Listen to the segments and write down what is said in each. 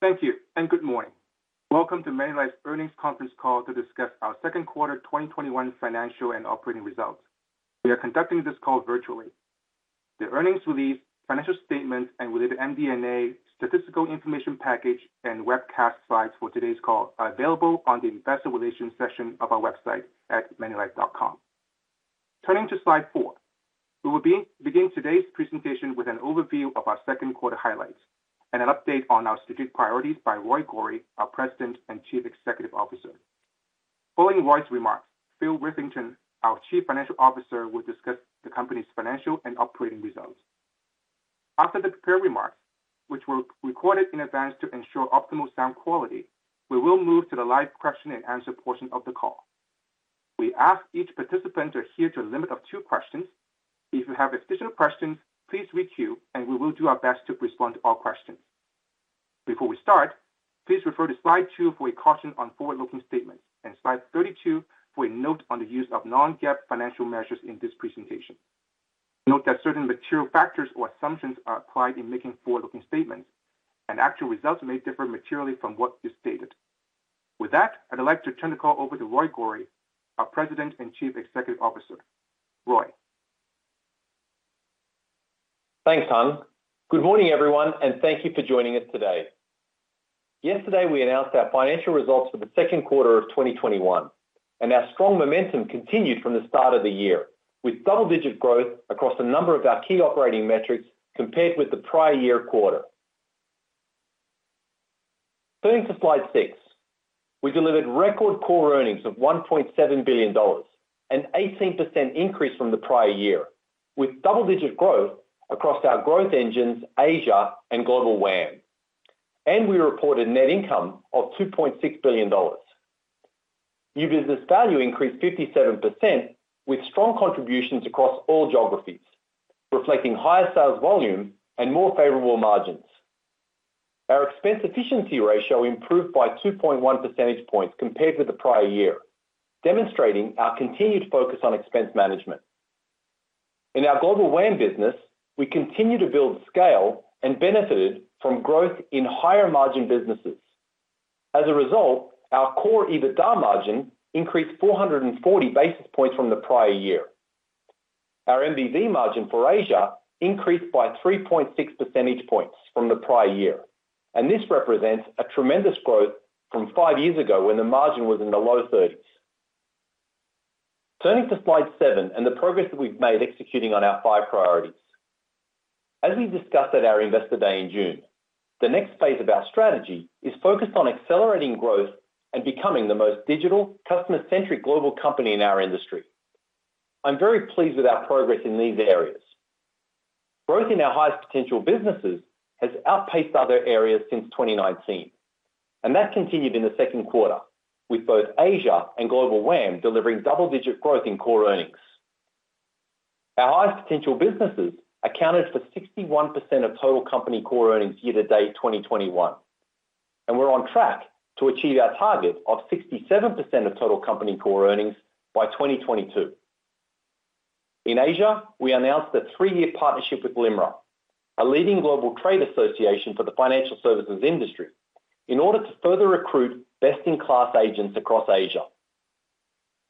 Thank you, and good morning. Welcome to Manulife's earnings conference call to discuss our second quarter 2021 financial and operating results. We are conducting this call virtually. The earnings release, financial statements, and related MD&A statistical information package and webcast slides for today's call are available on the investor relations section of our website at manulife.com. Turning to slide four, we will begin today's presentation with an overview of our second quarter highlights and an update on our strategic priorities by Roy Gori, our President and Chief Executive Officer. Following Roy's remarks, Phil Witherington, our Chief Financial Officer, will discuss the company's financial and operating results. After the prepared remarks, which were recorded in advance to ensure optimal sound quality, we will move to the live question and answer portion of the call. We ask each participant to adhere to a limit of two questions. If you have additional questions, please re-queue, and we will do our best to respond to all questions. Before we start, please refer to slide two for a caution on forward-looking statements, and slide 32 for a note on the use of non-GAAP financial measures in this presentation. Note that certain material factors or assumptions are applied in making forward-looking statements, and actual results may differ materially from what is stated. With that, I'd like to turn the call over to Roy Gori, our President and Chief Executive Officer. Roy? Thanks, Hung. Good morning, everyone, and thank you for joining us today. Yesterday, we announced our financial results for the second quarter of 2021, and our strong momentum continued from the start of the year, with double-digit growth across a number of our key operating metrics compared with the prior year quarter. Turning to slide six, we delivered record core earnings of 1.7 billion dollars, an 18% increase from the prior year, with double-digit growth across our growth engines, Asia and Global WAM. We reported net income of 2.6 billion dollars. New business value increased 57% with strong contributions across all geographies, reflecting higher sales volume and more favorable margins. Our expense efficiency ratio improved by 2.1 percentage points compared with the prior year, demonstrating our continued focus on expense management. In our Global WAM business, we continue to build scale and benefited from growth in higher margin businesses. Our core EBITDA margin increased 440 basis points from the prior year. Our NBV margin for Asia increased by 3.6 percentage points from the prior year. This represents a tremendous growth from five years ago when the margin was in the low 30s. Turning to slide seven and the progress that we've made executing on our five priorities. As we discussed at our Investor Day in June, the next phase of our strategy is focused on accelerating growth and becoming the most digital, customer-centric global company in our industry. I'm very pleased with our progress in these areas. Growth in our highest potential businesses has outpaced other areas since 2019. That continued in the second quarter, with both Asia and Global WAM delivering double-digit growth in core earnings. Our highest potential businesses accounted for 61% of total company core earnings year to date 2021, and we're on track to achieve our target of 67% of total company core earnings by 2022. In Asia, we announced a three-year partnership with LIMRA, a leading global trade association for the financial services industry, in order to further recruit best-in-class agents across Asia.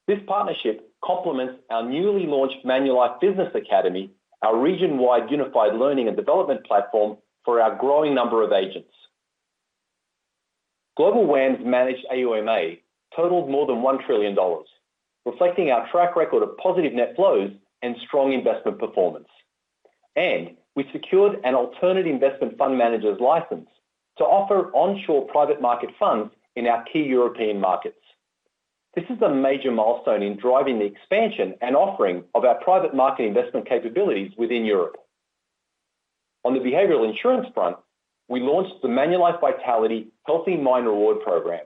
This partnership complements our newly launched Manulife Business Academy, our region-wide unified learning and development platform for our growing number of agents. Global WAM's managed AUMA totaled more than 1 trillion dollars, reflecting our track record of positive net flows and strong investment performance. We secured an alternative investment fund manager's license to offer onshore private market funds in our key European markets. This is a major milestone in driving the expansion and offering of our private market investment capabilities within Europe. On the behavioral insurance front, we launched the Manulife Vitality Healthy Mind Reward Program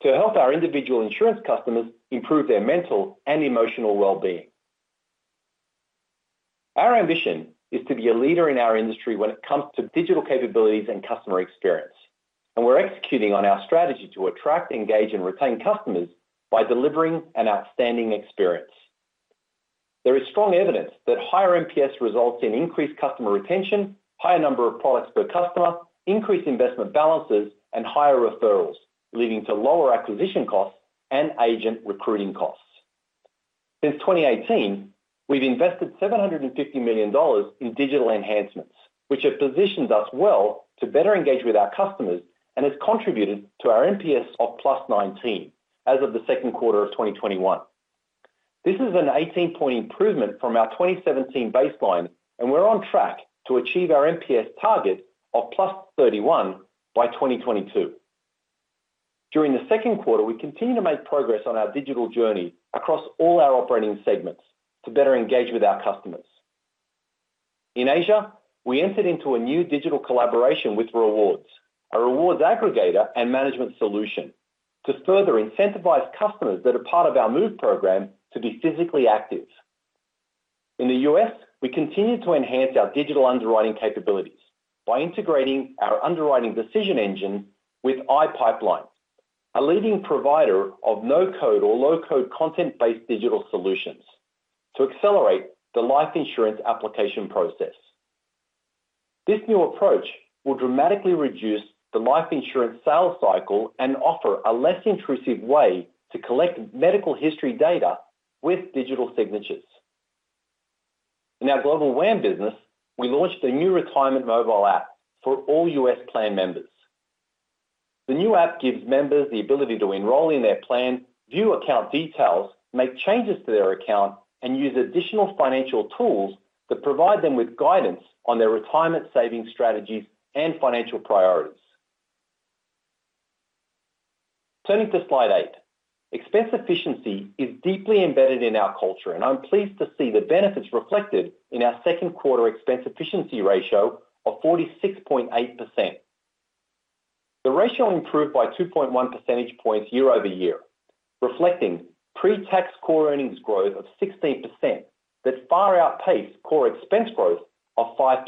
to help our individual insurance customers improve their mental and emotional wellbeing. We're executing on our strategy to attract, engage, and retain customers by delivering an outstanding experience. There is strong evidence that higher NPS results in increased customer retention, higher number of products per customer, increased investment balances, and higher referrals, leading to lower acquisition costs and agent recruiting costs. Since 2018, we've invested 750 million dollars in digital enhancements, which have positioned us well to better engage with our customers and has contributed to our NPS of +19 as of the second quarter of 2021. This is an 18-point improvement from our 2017 baseline, and we're on track to achieve our NPS target of +31 by 2022. During the second quarter, we continued to make progress on our digital journey across all our operating segments to better engage with our customers. In Asia, we entered into a new digital collaboration with Rewardz, a rewards aggregator and management solution, to further incentivize customers that are part of our ManulifeMOVE program to be physically active. In the U.S., we continued to enhance our digital underwriting capabilities by integrating our underwriting decision engine with iPipeline, a leading provider of no-code or low-code content-based digital solutions to accelerate the life insurance application process. This new approach will dramatically reduce the life insurance sales cycle and offer a less intrusive way to collect medical history data with digital signatures. In our Global WAM business, we launched a new retirement mobile app for all U.S. plan members. The new app gives members the ability to enroll in their plan, view account details, make changes to their account, and use additional financial tools that provide them with guidance on their retirement savings strategies and financial priorities. Turning to slide eight. Expense efficiency is deeply embedded in our culture, and I'm pleased to see the benefits reflected in our second quarter expense efficiency ratio of 46.8%. The ratio improved by 2.1 percentage points year-over-year, reflecting pre-tax core earnings growth of 16% that far outpaced core expense growth of 5%.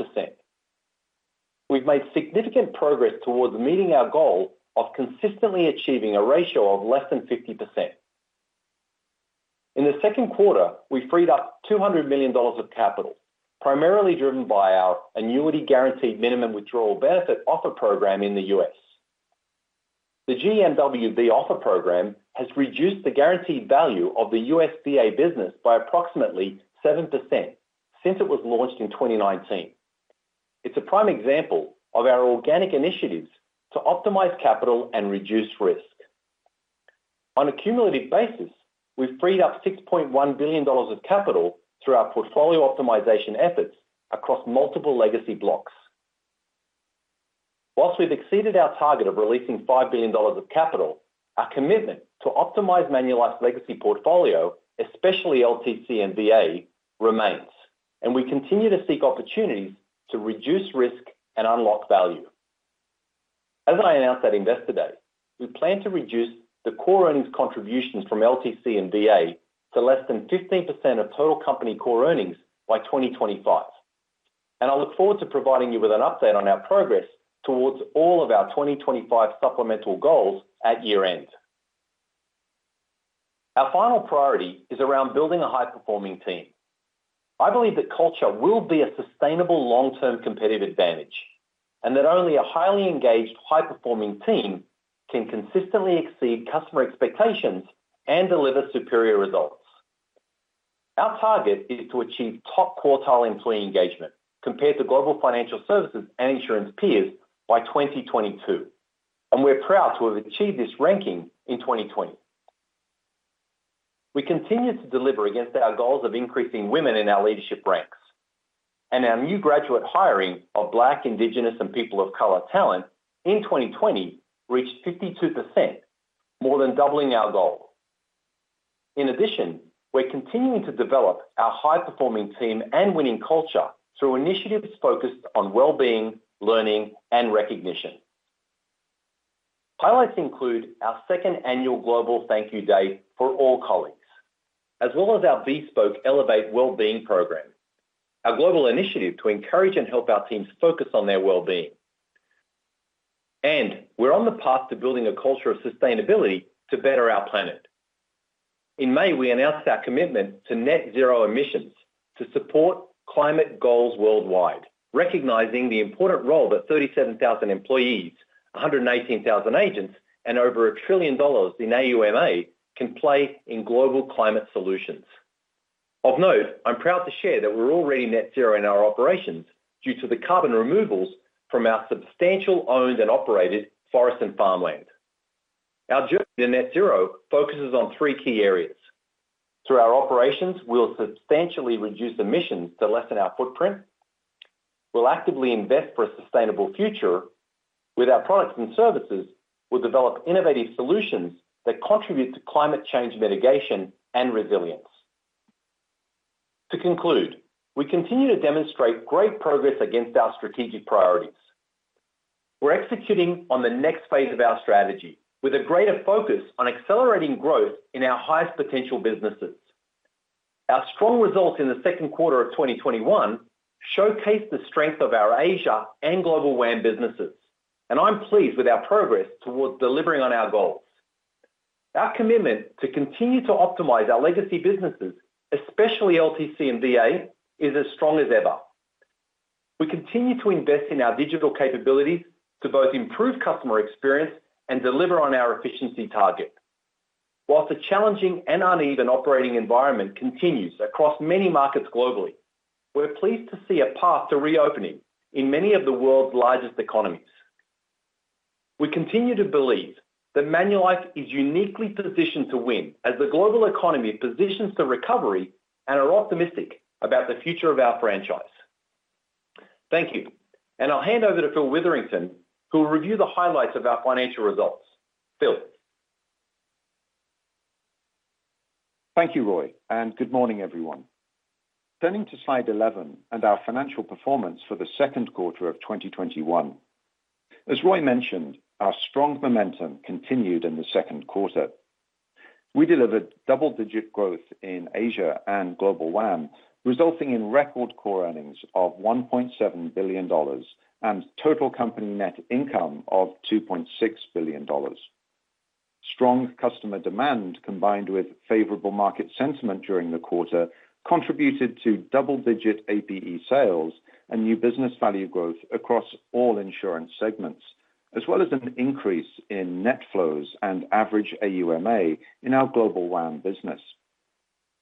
We've made significant progress towards meeting our goal of consistently achieving a ratio of less than 50%. In the second quarter, we freed up $200 million of capital, primarily driven by our annuity guaranteed minimum withdrawal benefit offer program in the U.S. The GMWB offer program has reduced the guaranteed value of the U.S. VA business by approximately 7% since it was launched in 2019. It's a prime example of our organic initiatives to optimize capital and reduce risk. On a cumulative basis, we've freed up $6.1 billion of capital through our portfolio optimization efforts across multiple legacy blocks. Whilst we've exceeded our target of releasing $5 billion of capital, our commitment to optimize Manulife's legacy portfolio, especially LTC and VA, remains, and we continue to seek opportunities to reduce risk and unlock value. As I announced at Investor Day, we plan to reduce the core earnings contributions from LTC and VA to less than 15% of total company core earnings by 2025, and I look forward to providing you with an update on our progress towards all of our 2025 supplemental goals at year-end. Our final priority is around building a high-performing team. I believe that culture will be a sustainable long-term competitive advantage, and that only a highly engaged, high-performing team can consistently exceed customer expectations and deliver superior results. Our target is to achieve top quartile employee engagement compared to global financial services and insurance peers by 2022, and we're proud to have achieved this ranking in 2020. We continue to deliver against our goals of increasing women in our leadership ranks, and our new graduate hiring of Black, Indigenous, and people of color talent in 2020 reached 52%, more than doubling our goal. In addition, we're continuing to develop our high-performing team and winning culture through initiatives focused on well-being, learning, and recognition. Highlights include our second annual global thank you day for all colleagues, as well as our bespoke Elevate Well-being program, our global initiative to encourage and help our teams focus on their well-being. We're on the path to building a culture of sustainability to better our planet. In May, we announced our commitment to net zero emissions to support climate goals worldwide, recognizing the important role that 37,000 employees, 118,000 agents, and over 1 trillion dollars in AUMA can play in global climate solutions. Of note, I'm proud to share that we're already net zero in our operations due to the carbon removals from our substantial owned and operated forests and farmland. Our journey to net zero focuses on three key areas. Through our operations, we'll substantially reduce emissions to lessen our footprint. We'll actively invest for a sustainable future. With our products and services, we'll develop innovative solutions that contribute to climate change mitigation and resilience. To conclude, we continue to demonstrate great progress against our strategic priorities. We're executing on the next phase of our strategy with a greater focus on accelerating growth in our highest potential businesses. Our strong results in the second quarter of 2021 showcase the strength of our Asia and Global WAM businesses, and I'm pleased with our progress towards delivering on our goals. Our commitment to continue to optimize our legacy businesses, especially LTC and VA, is as strong as ever. We continue to invest in our digital capabilities to both improve customer experience and deliver on our efficiency target. Whilst the challenging and uneven operating environment continues across many markets globally, we're pleased to see a path to reopening in many of the world's largest economies. We continue to believe that Manulife is uniquely positioned to win as the global economy positions for recovery and are optimistic about the future of our franchise. Thank you. I'll hand over to Phil Witherington, who will review the highlights of our financial results. Phil? Thank you, Roy, and good morning, everyone. Turning to slide 11 and our financial performance for the second quarter of 2021. As Roy mentioned, our strong momentum continued in the second quarter. We delivered double-digit growth in Asia and Global WAM, resulting in record Core earnings of 1.7 billion dollars and total company net income of 2.6 billion dollars. Strong customer demand, combined with favorable market sentiment during the quarter, contributed to double-digit APE sales and new business value growth across all insurance segments, as well as an increase in net flows and average AUMA in our Global WAM business.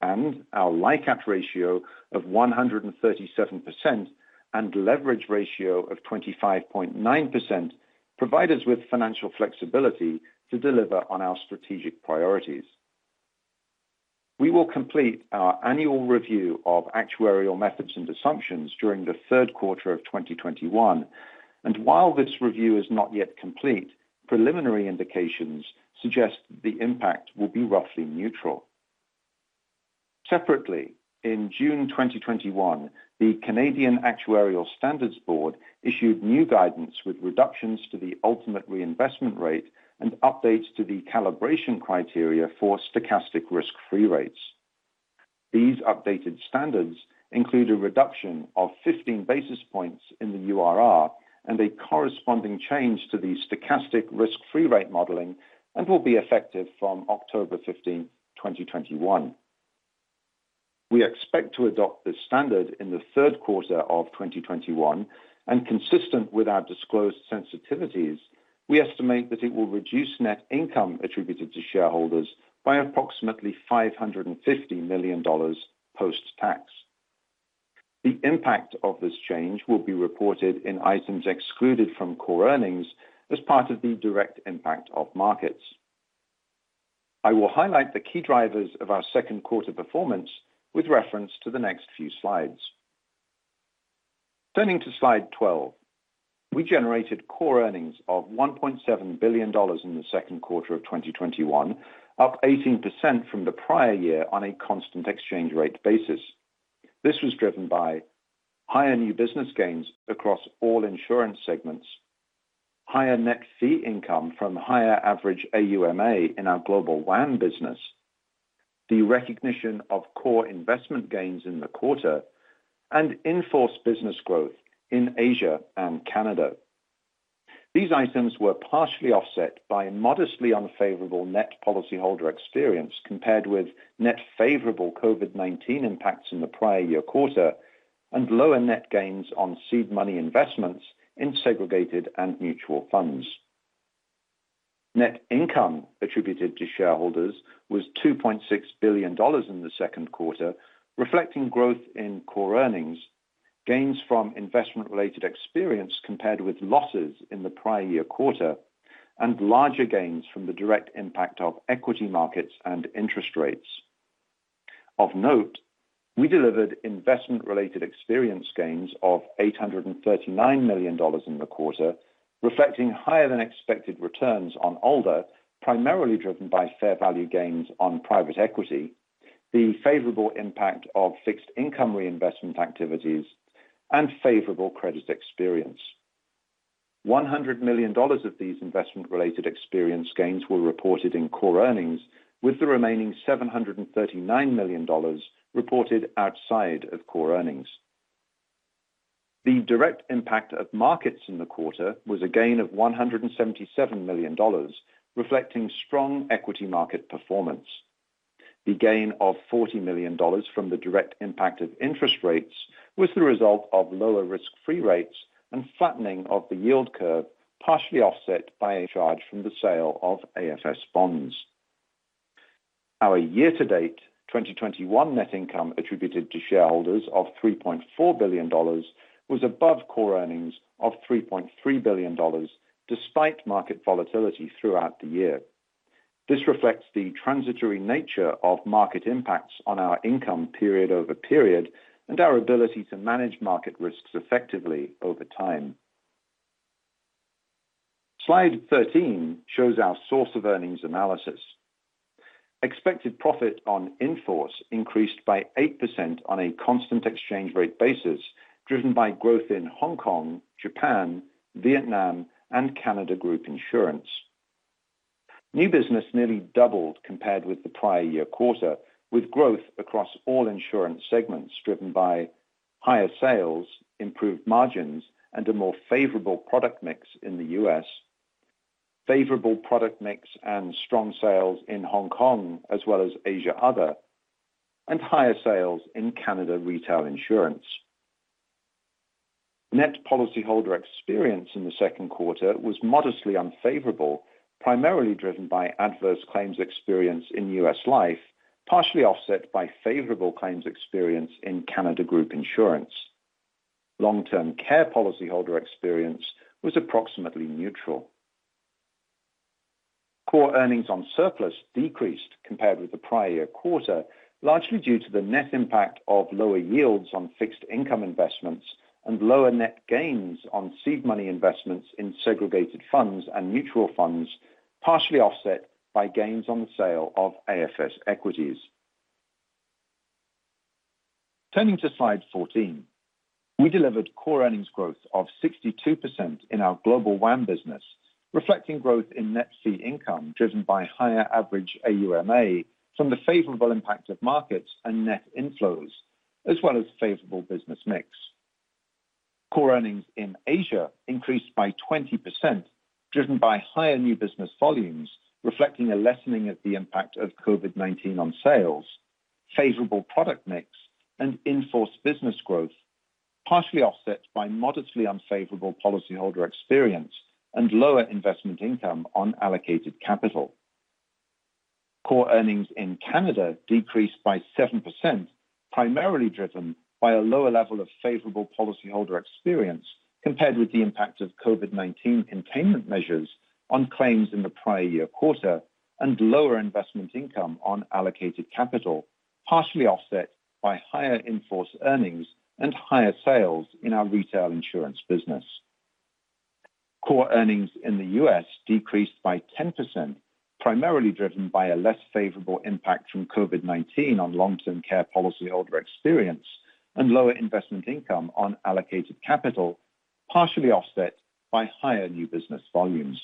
Our LICAT ratio of 137% and leverage ratio of 25.9% provide us with financial flexibility to deliver on our strategic priorities. We will complete our annual review of actuarial methods and assumptions during the third quarter of 2021, and while this review is not yet complete, preliminary indications suggest the impact will be roughly neutral. Separately, in June 2021, the Canadian Actuarial Standards Board issued new guidance with reductions to the ultimate reinvestment rate and updates to the calibration criteria for stochastic risk-free rates. These updated standards include a reduction of 15 basis points in the URR and a corresponding change to the stochastic risk-free rate modeling and will be effective from October 15, 2021. We expect to adopt this standard in the third quarter of 2021, and consistent with our disclosed sensitivities, we estimate that it will reduce net income attributed to shareholders by approximately 550 million dollars post-tax. The impact of this change will be reported in items excluded from Core earnings as part of the direct impact of markets. I will highlight the key drivers of our second quarter performance with reference to the next few slides. Turning to slide 12. We generated core earnings of 1.7 billion dollars in the second quarter of 2021, up 18% from the prior year on a constant exchange rate basis. This was driven by higher new business gains across all insurance segments, higher net fee income from higher average AUMA in our Global WAM business, the recognition of core investment gains in the quarter, and in-force business growth in Asia and Canada. These items were partially offset by a modestly unfavorable net policyholder experience compared with net favorable COVID-19 impacts in the prior year quarter, and lower net gains on seed money investments in segregated and mutual funds. Net income attributed to shareholders was 2.6 billion dollars in the second quarter, reflecting growth in core earnings, gains from investment related experience compared with losses in the prior year quarter, and larger gains from the direct impact of equity markets and interest rates. Of note, we delivered investment related experience gains of 839 million dollars in the quarter, reflecting higher than expected returns on ALDA, primarily driven by fair value gains on private equity, the favorable impact of fixed income reinvestment activities, and favorable credit experience. 100 million dollars of these investment related experience gains were reported in core earnings, with the remaining 739 million dollars reported outside of core earnings. The direct impact of markets in the quarter was a gain of 177 million dollars, reflecting strong equity market performance. The gain of 40 million dollars from the direct impact of interest rates was the result of lower risk-free rates and flattening of the yield curve, partially offset by a charge from the sale of AFS bonds. Our year-to-date 2021 net income attributed to shareholders of 3.4 billion dollars was above core earnings of 3.3 billion dollars, despite market volatility throughout the year. This reflects the transitory nature of market impacts on our income period over period and our ability to manage market risks effectively over time. Slide 13 shows our source of earnings analysis. Expected profit on in-force increased by 8% on a constant exchange rate basis, driven by growth in Hong Kong, Japan, Vietnam, and Canada Group Insurance. New business nearly doubled compared with the prior year quarter, with growth across all insurance segments driven by higher sales, improved margins, and a more favorable product mix in the U.S., favorable product mix and strong sales in Hong Kong as well as Asia Other, and higher sales in Canada Retail Insurance. Net policyholder experience in the second quarter was modestly unfavorable, primarily driven by adverse claims experience in U.S. Life, partially offset by favorable claims experience in Canada Group Insurance. Long-term care policyholder experience was approximately neutral. Core earnings on surplus decreased compared with the prior year quarter, largely due to the net impact of lower yields on fixed income investments and lower net gains on seed money investments in segregated funds and mutual funds, partially offset by gains on the sale of AFS equities. Turning to slide 14, we delivered core earnings growth of 62% in our Global WAM business, reflecting growth in net fee income driven by higher average AUMA from the favorable impact of markets and net inflows, as well as favorable business mix. Core earnings in Asia increased by 20%, driven by higher new business volumes, reflecting a lessening of the impact of COVID-19 on sales, favorable product mix, and in-force business growth, partially offset by modestly unfavorable policyholder experience and lower investment income on allocated capital. Core earnings in Canada decreased by 7%, primarily driven by a lower level of favorable policyholder experience compared with the impact of COVID-19 containment measures on claims in the prior year quarter and lower investment income on allocated capital, partially offset by higher in-force earnings and higher sales in our retail insurance business. Core earnings in the U.S. decreased by 10%, primarily driven by a less favorable impact from COVID-19 on long-term care policyholder experience and lower investment income on allocated capital, partially offset by higher new business volumes.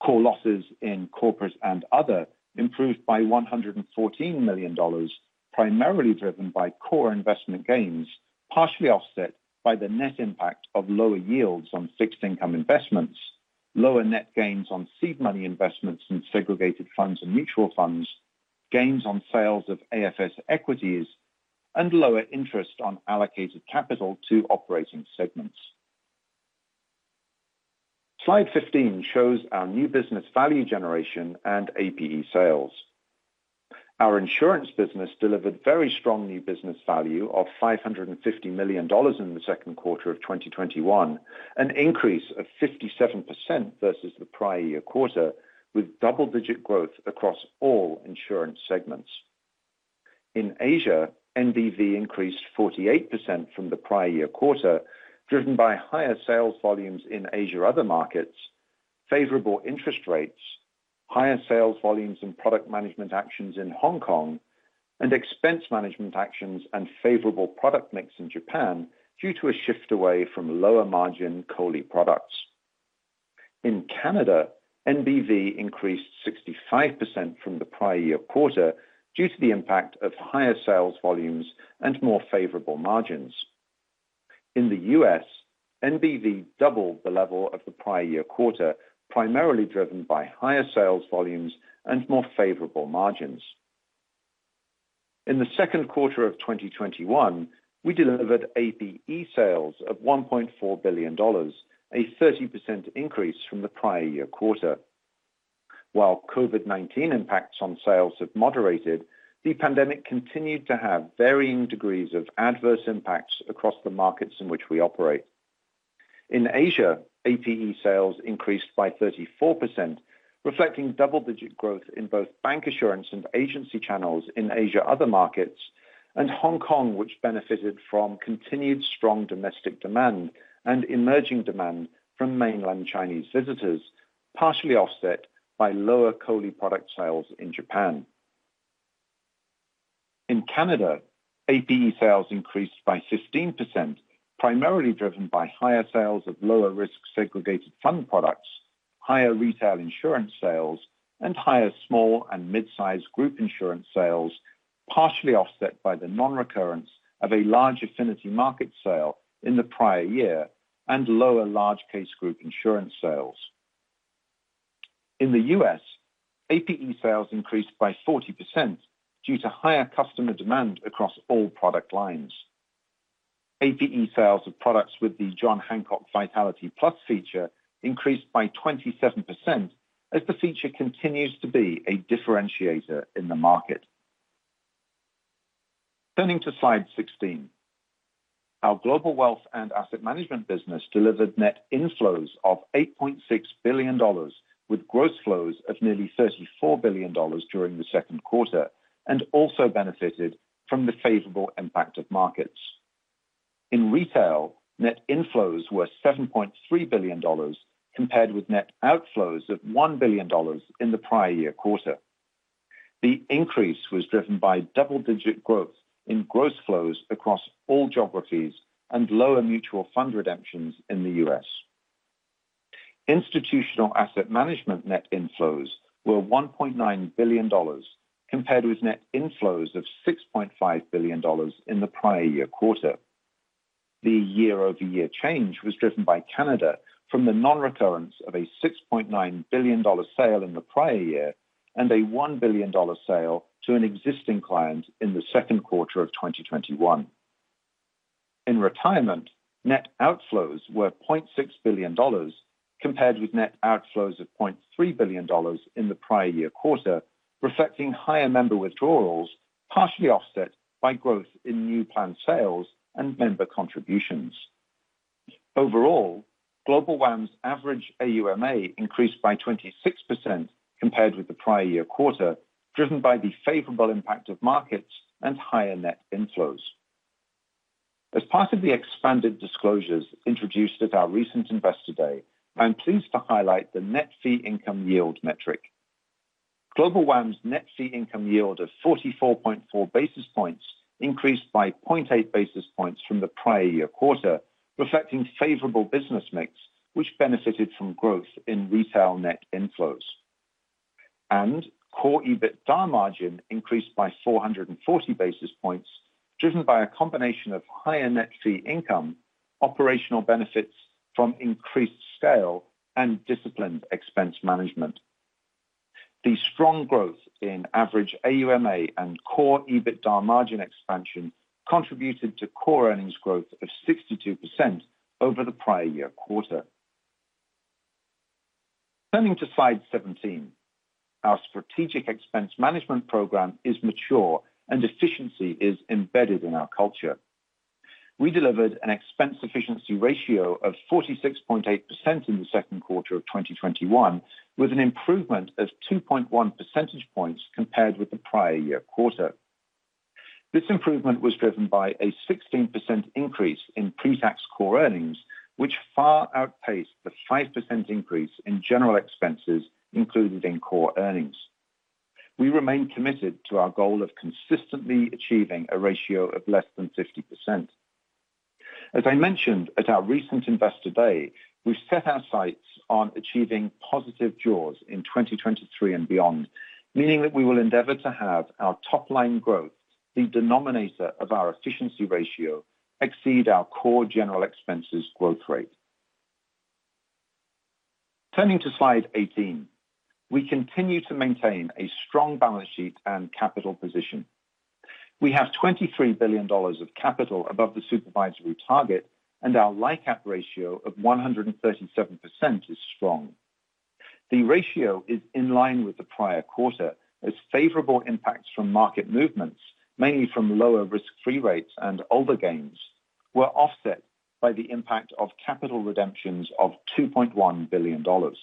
Core losses in corporates and other improved by 114 million dollars, primarily driven by core investment gains, partially offset by the net impact of lower yields on fixed income investments, lower net gains on seed money investments in segregated funds and mutual funds, gains on sales of AFS equities, and lower interest on allocated capital to operating segments. Slide 15 shows our new business value generation and APE sales. Our insurance business delivered very strong new business value of 550 million dollars in the second quarter of 2021, an increase of 57% versus the prior year quarter, with double-digit growth across all insurance segments. In Asia, NBV increased 48% from the prior year quarter, driven by higher sales volumes in Asia other markets, favorable interest rates, higher sales volumes and product management actions in Hong Kong, and expense management actions and favorable product mix in Japan due to a shift away from lower margin COLI products. In Canada, NBV increased 65% from the prior year quarter due to the impact of higher sales volumes and more favorable margins. In the U.S., NBV doubled the level of the prior year quarter, primarily driven by higher sales volumes and more favorable margins. In the second quarter of 2021, we delivered APE sales of 1.4 billion dollars, a 30% increase from the prior year quarter. While COVID-19 impacts on sales have moderated, the pandemic continued to have varying degrees of adverse impacts across the markets in which we operate. In Asia, APE sales increased by 34%, reflecting double-digit growth in both bancassurance and agency channels in Asia other markets, and Hong Kong, which benefited from continued strong domestic demand and emerging demand from mainland Chinese visitors, partially offset by lower COLI product sales in Japan. In Canada, APE sales increased by 15%, primarily driven by higher sales of lower risk segregated fund products, higher retail insurance sales, and higher small and mid-size group insurance sales, partially offset by the non-recurrence of a large affinity market sale in the prior year and lower large case group insurance sales. In the U.S., APE sales increased by 40% due to higher customer demand across all product lines. APE sales of products with the John Hancock Vitality PLUS feature increased by 27%, as the feature continues to be a differentiator in the market. Turning to slide 16. Our Global Wealth and Asset Management business delivered net inflows of $8.6 billion, with gross flows of nearly $34 billion during the second quarter, and also benefited from the favorable impact of markets. In retail, net inflows were $7.3 billion, compared with net outflows of $1 billion in the prior year quarter. The increase was driven by double-digit growth in gross flows across all geographies and lower mutual fund redemptions in the U.S. Institutional asset management net inflows were $1.9 billion, compared with net inflows of $6.5 billion in the prior year quarter. The year-over-year change was driven by Canada from the non-recurrence of a 6.9 billion dollar sale in the prior year and a 1 billion dollar sale to an existing client in the second quarter of 2021. In retirement, net outflows were 0.6 billion dollars, compared with net outflows of 0.3 billion dollars in the prior year quarter, reflecting higher member withdrawals, partially offset by growth in new plan sales and member contributions. Overall, Global WAM's average AUMA increased by 26% compared with the prior year quarter, driven by the favorable impact of markets and higher net inflows. As part of the expanded disclosures introduced at our recent Investor Day, I'm pleased to highlight the net fee income yield metric. Global WAM's net fee income yield of 44.4 basis points increased by 0.8 basis points from the prior year quarter, reflecting favorable business mix, which benefited from growth in retail net inflows. Core EBITDA margin increased by 440 basis points, driven by a combination of higher net fee income, operational benefits from increased scale, and disciplined expense management. The strong growth in average AUMA and core EBITDA margin expansion contributed to core earnings growth of 62% over the prior year quarter. Turning to slide 17. Our strategic expense management program is mature and efficiency is embedded in our culture. We delivered an expense efficiency ratio of 46.8% in the second quarter of 2021, with an improvement of 2.1 percentage points compared with the prior year quarter. This improvement was driven by a 16% increase in pre-tax core earnings, which far outpaced the 5% increase in general expenses included in core earnings. We remain committed to our goal of consistently achieving a ratio of less than 50%. As I mentioned at our recent Investor Day, we've set our sights on achieving positive jaws in 2023 and beyond, meaning that we will endeavor to have our top-line growth, the denominator of our efficiency ratio, exceed our core general expenses growth rate. Turning to slide 18. We continue to maintain a strong balance sheet and capital position. We have 23 billion dollars of capital above the supervisory target, and our LICAT ratio of 137% is strong. The ratio is in line with the prior quarter, as favorable impacts from market movements, mainly from lower risk-free rates and older gains, were offset by the impact of capital redemptions of 2.1 billion dollars.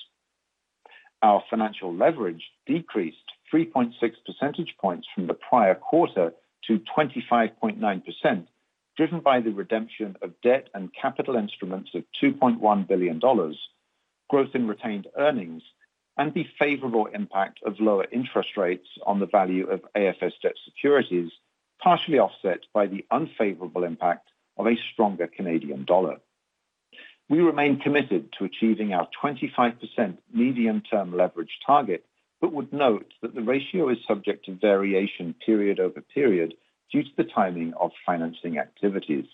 Our financial leverage decreased 3.6 percentage points from the prior quarter to 25.9%, driven by the redemption of debt and capital instruments of 2.1 billion dollars, growth in retained earnings, and the favorable impact of lower interest rates on the value of AFS debt securities, partially offset by the unfavorable impact of a stronger Canadian dollar. We remain committed to achieving our 25% medium-term leverage target, but would note that the ratio is subject to variation period over period due to the timing of financing activities.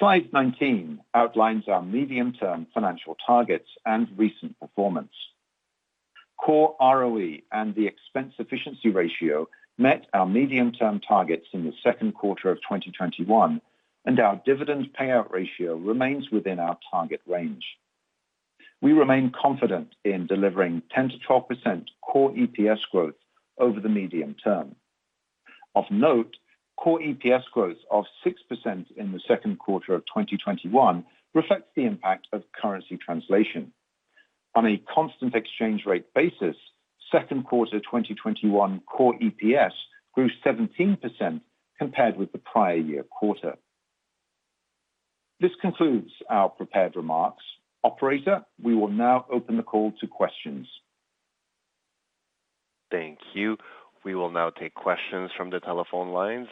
Slide 19 outlines our medium-term financial targets and recent performance. Core ROE and the expense efficiency ratio met our medium-term targets in the second quarter of 2021, and our dividend payout ratio remains within our target range. We remain confident in delivering 10%-12% core EPS growth over the medium term. Of note, Core EPS growth of 6% in the second quarter of 2021 reflects the impact of currency translation. On a constant exchange rate basis, second quarter 2021 Core EPS grew 17% compared with the prior year quarter. This concludes our prepared remarks. Operator, we will now open the call to questions. Thank you. We will now take questions from the telephone lines.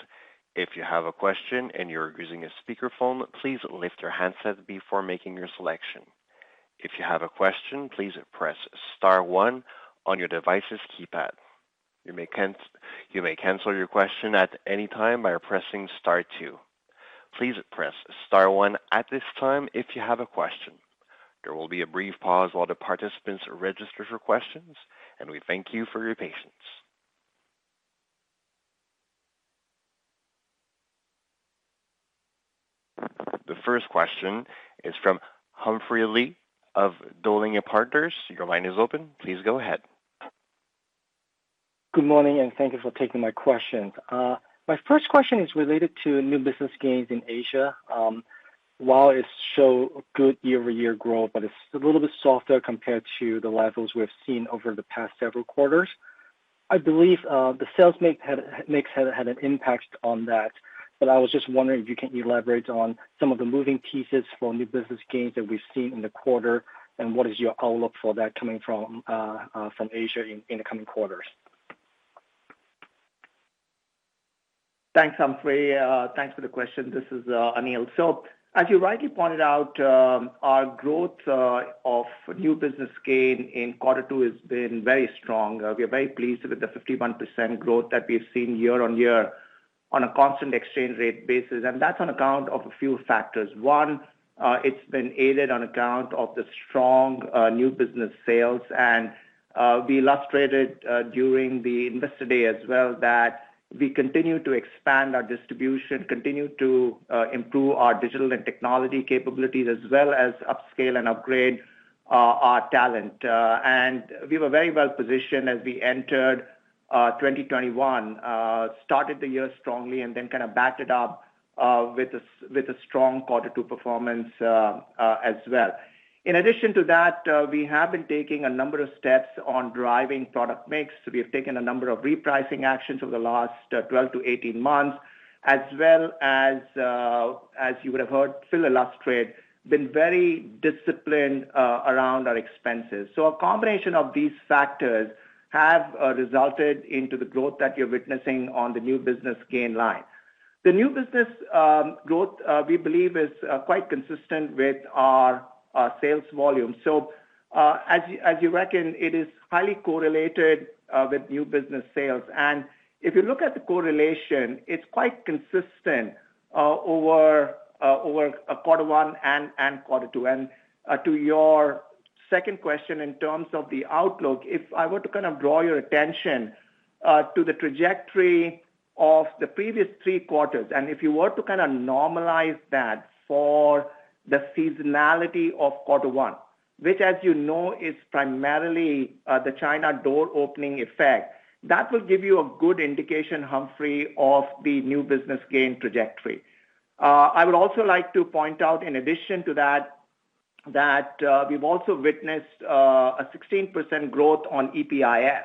If you have a question and you're using a speakerphone, please lift your handset before making your selection. If you have a question, please press star one on your device's keypad. You may cancel your question at any time by pressing star two. Please press star one at this time if you have a question. There will be a brief pause while the participants register for questions, and we thank you for your patience. The first question is from Humphrey Lee of Dowling & Partners. Your line is open. Please go ahead. Good morning, and thank you for taking my questions. My first question is related to new business gains in Manulife Asia. While it show good year-over-year growth, but it's a little bit softer compared to the levels we have seen over the past several quarters. I believe the sales mix had an impact on that. I was just wondering if you can elaborate on some of the moving pieces for new business gains that we've seen in the quarter, and what is your outlook for that coming from Manulife Asia in the coming quarters? Thanks, Humphrey. Thanks for the question. This is Anil. As you rightly pointed out, our growth of new business gain in quarter two has been very strong. We are very pleased with the 51% growth that we've seen year-over-year on a constant exchange rate basis, and that's on account of a few factors. One, it's been aided on account of the strong new business sales. We illustrated during the Investor Day as well that we continue to expand our distribution, continue to improve our digital and technology capabilities, as well as upscale and upgrade our talent. We were very well positioned as we entered 2021. Started the year strongly and then kind of backed it up with a strong quarter two performance as well. In addition to that, we have been taking a number of steps on driving product mix. We have taken a number of repricing actions over the last 12-18 months, as well as, you would have heard Phil illustrate, been very disciplined around our expenses. A combination of these factors have resulted in the growth that you're witnessing on the new business gain line. The new business growth, we believe, is quite consistent with our sales volume. As you reckon, it is highly correlated with new business sales. If you look at the correlation, it's quite consistent over quarter one and quarter two. To your second question, in terms of the outlook, if I were to kind of draw your attention to the trajectory of the previous three quarters, and if you were to kind of normalize that for the seasonality of quarter one, which as you know is primarily the China door opening effect, that will give you a good indication, Humphrey, of the new business gain trajectory. I would also like to point out, in addition to that, we've also witnessed a 16% growth on EPIF.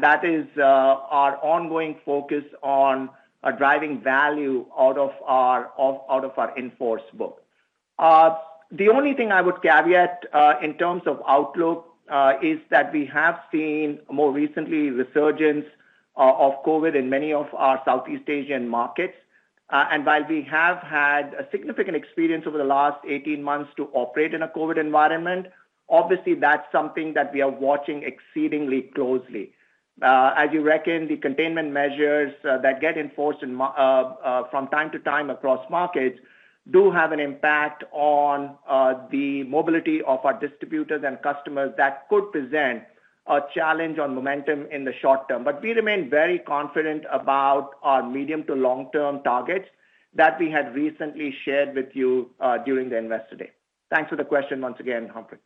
That is our ongoing focus on driving value out of our in-force book. The only thing I would caveat, in terms of outlook, is that we have seen more recently resurgence of COVID in many of our Southeast Asian markets. While we have had a significant experience over the last 18 months to operate in a COVID environment, obviously that's something that we are watching exceedingly closely. As you reckon, the containment measures that get enforced from time to time across markets do have an impact on the mobility of our distributors and customers that could present a challenge on momentum in the short term. We remain very confident about our medium to long-term targets that we had recently shared with you during the investor day. Thanks for the question once again, Humphrey.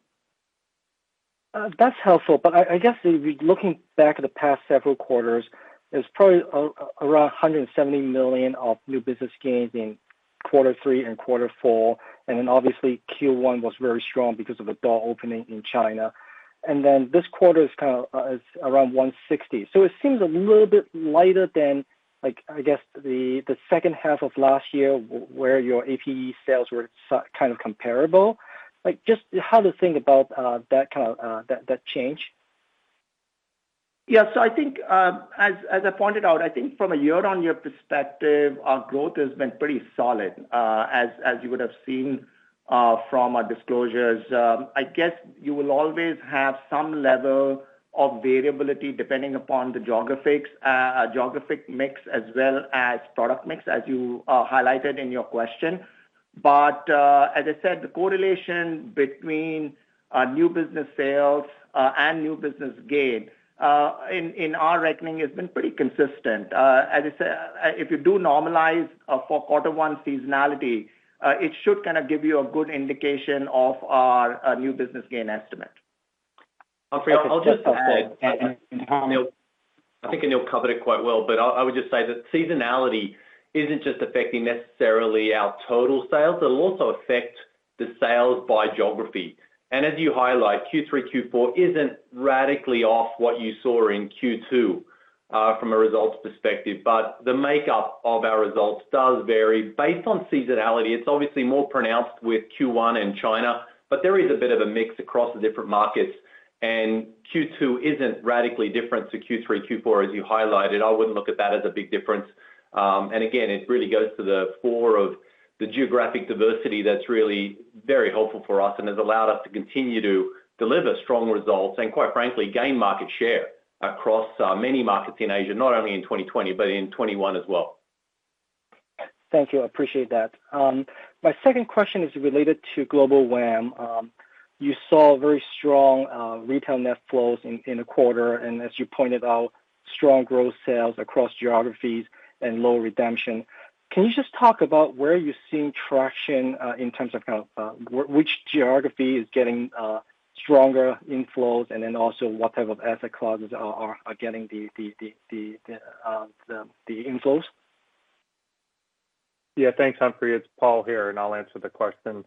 That's helpful. I guess looking back at the past several quarters, there's probably around 170 million of new business gains in quarter three and quarter four. Obviously Q1 was very strong because of the door opening in China. This quarter is around 160 million. It seems a little bit lighter than, I guess, the second half of last year where your APE sales were kind of comparable. Just how to think about that change? Yeah. As I pointed out, I think from a year-over-year perspective, our growth has been pretty solid, as you would have seen from our disclosures. I guess you will always have some level of variability depending upon the geographic mix as well as product mix, as you highlighted in your question. As I said, the correlation between new business sales and new business gain in our reckoning has been pretty consistent. If you do normalize for quarter one seasonality, it should kind of give you a good indication of our new business gain estimate. Humphrey, I'll just add. I think Anil covered it quite well, but I would just say that seasonality isn't just affecting necessarily our total sales. It'll also affect the sales by geography. As you highlight, Q3, Q4 isn't radically off what you saw in Q2 from a results perspective. The makeup of our results does vary based on seasonality. It's obviously more pronounced with Q1 in China, but there is a bit of a mix across the different markets, and Q2 isn't radically different to Q3, Q4, as you highlighted. I wouldn't look at that as a big difference. Again, it really goes to the core of the geographic diversity that's really very helpful for us and has allowed us to continue to deliver strong results and quite frankly gain market share across many markets in Asia, not only in 2020 but in 2021 as well. Thank you. I appreciate that. My second question is related to Global WAM. You saw very strong retail net flows in the quarter and, as you pointed out, strong gross sales across geographies and low redemption. Can you just talk about where you're seeing traction in terms of kind of which geography is getting stronger inflows? Also what type of asset classes are getting the inflows? Yeah, thanks, Humphrey. It's Paul here, and I'll answer the question.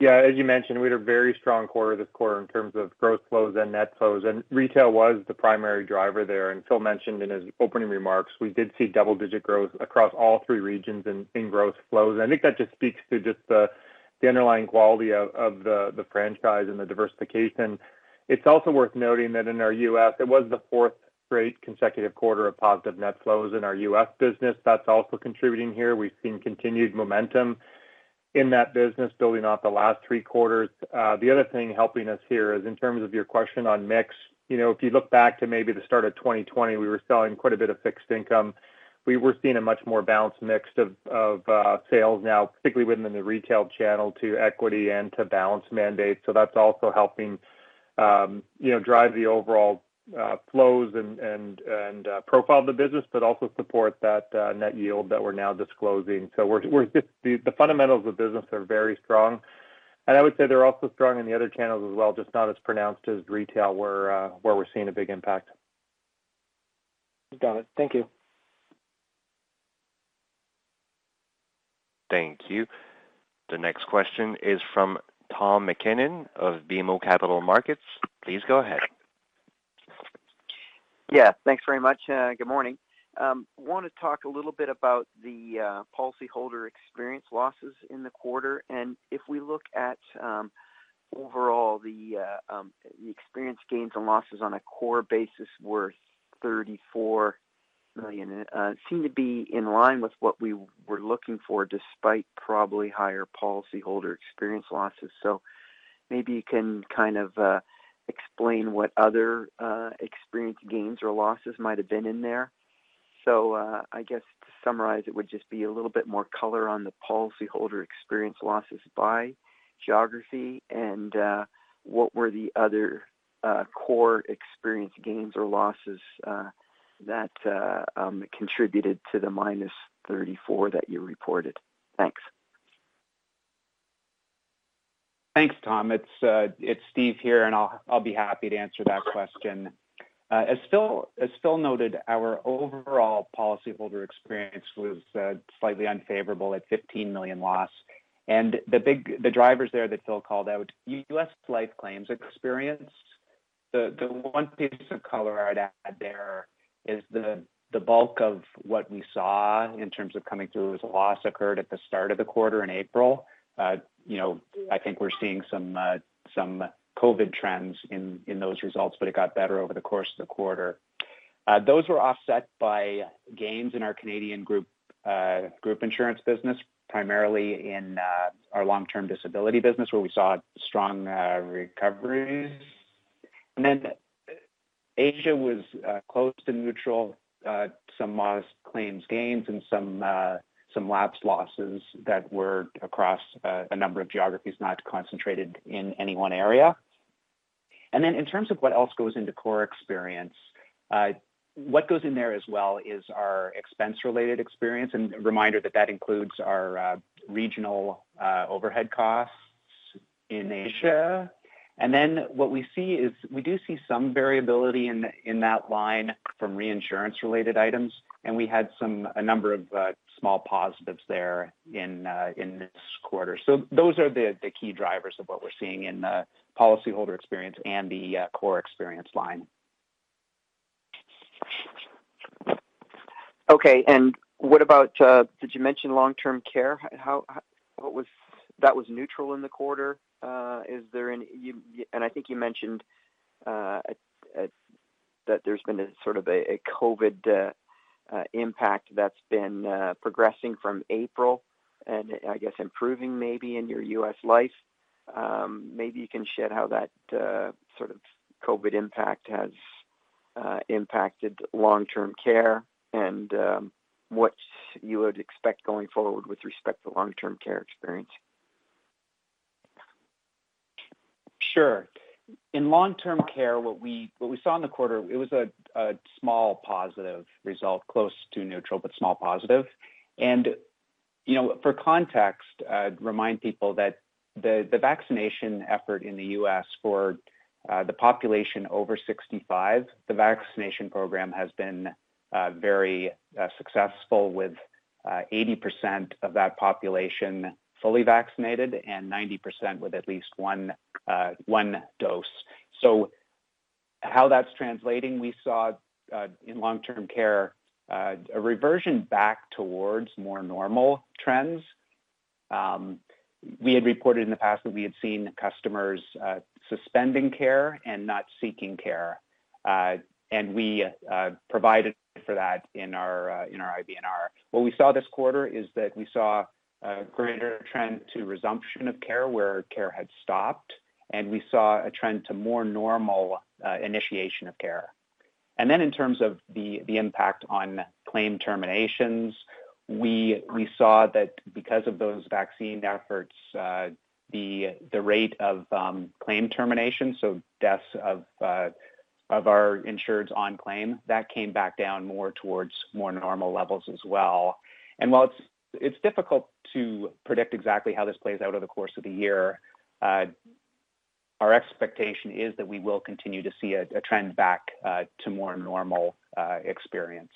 Yeah. As you mentioned, we had a very strong quarter this quarter in terms of gross flows and net flows, and retail was the primary driver there. Phil mentioned in his opening remarks, we did see double-digit growth across all three regions in growth flows. I think that just speaks to just the underlying quality of the franchise and the diversification. It's also worth noting that in our U.S., it was the fourth great consecutive quarter of positive net flows in our U.S. business. That's also contributing here. We've seen continued momentum in that business building off the last three quarters. The other thing helping us here is in terms of your question on mix. If you look back to maybe the start of 2020, we were selling quite a bit of fixed income. We were seeing a much more balanced mix of sales now, particularly within the retail channel to equity and to balanced mandates. That's also helping drive the overall flows and profile of the business, but also support that net yield that we're now disclosing. The fundamentals of the business are very strong, and I would say they're also strong in the other channels as well, just not as pronounced as retail where we're seeing a big impact. Got it. Thank you. Thank you. The next question is from Tom MacKinnon of BMO Capital Markets. Please go ahead. Yeah. Thanks very much. Good morning. I want to talk a little bit about the policyholder experience losses in the quarter. If we look at overall the experience gains and losses on a core basis were 34 million, and seem to be in line with what we were looking for, despite probably higher policyholder experience losses. Maybe you can kind of explain what other experience gains or losses might have been in there. I guess to summarize, it would just be a little bit more color on the policyholder experience losses by geography and what were the other core experience gains or losses that contributed to the minus 34 million that you reported. Thanks. Thanks, Tom. It's Steve here, and I'll be happy to answer that question. As Phil noted, our overall policyholder experience was slightly unfavorable at 15 million loss. The drivers there that Phil called out, U.S. life claims experience, the one piece of color I'd add there is the bulk of what we saw in terms of coming through as a loss occurred at the start of the quarter in April. I think we're seeing some COVID trends in those results, but it got better over the course of the quarter. Those were offset by gains in our Canadian group insurance business, primarily in our long-term disability business where we saw strong recoveries. Asia was close to neutral. Some modest claims gains and some lapse losses that were across a number of geographies not concentrated in any one area. Then in terms of what else goes into Core experience, what goes in there as well is our expense-related experience. A reminder that that includes our regional overhead costs in Asia. Then what we see is we do see some variability in that line from reinsurance-related items, and we had a number of small positives there in this quarter. Those are the key drivers of what we're seeing in the policyholder experience and the Core experience line. Okay, did you mention long-term care? That was neutral in the quarter? I think you mentioned that there's been a sort of a COVID impact that's been progressing from April, and I guess improving maybe in your U.S. Life. Maybe you can shed how that sort of COVID impact has impacted long-term care and what you would expect going forward with respect to long-term care experience. Sure. In long-term care, what we saw in the quarter, it was a small positive result, close to neutral, but small positive. For context, remind people that the vaccination effort in the U.S. for the population over 65, the vaccination program has been very successful with 80% of that population fully vaccinated and 90% with at least one dose. How that's translating, we saw in long-term care a reversion back towards more normal trends. We had reported in the past that we had seen customers suspending care and not seeking care. We provided for that in our IBNR. What we saw this quarter is that we saw a greater trend to resumption of care where care had stopped, and we saw a trend to more normal initiation of care. In terms of the impact on claim terminations, we saw that because of those vaccine efforts, the rate of claim termination, so deaths of our insureds on claim, that came back down more towards more normal levels as well. While it's difficult to predict exactly how this plays out over the course of the year our expectation is that we will continue to see a trend back to more normal experience.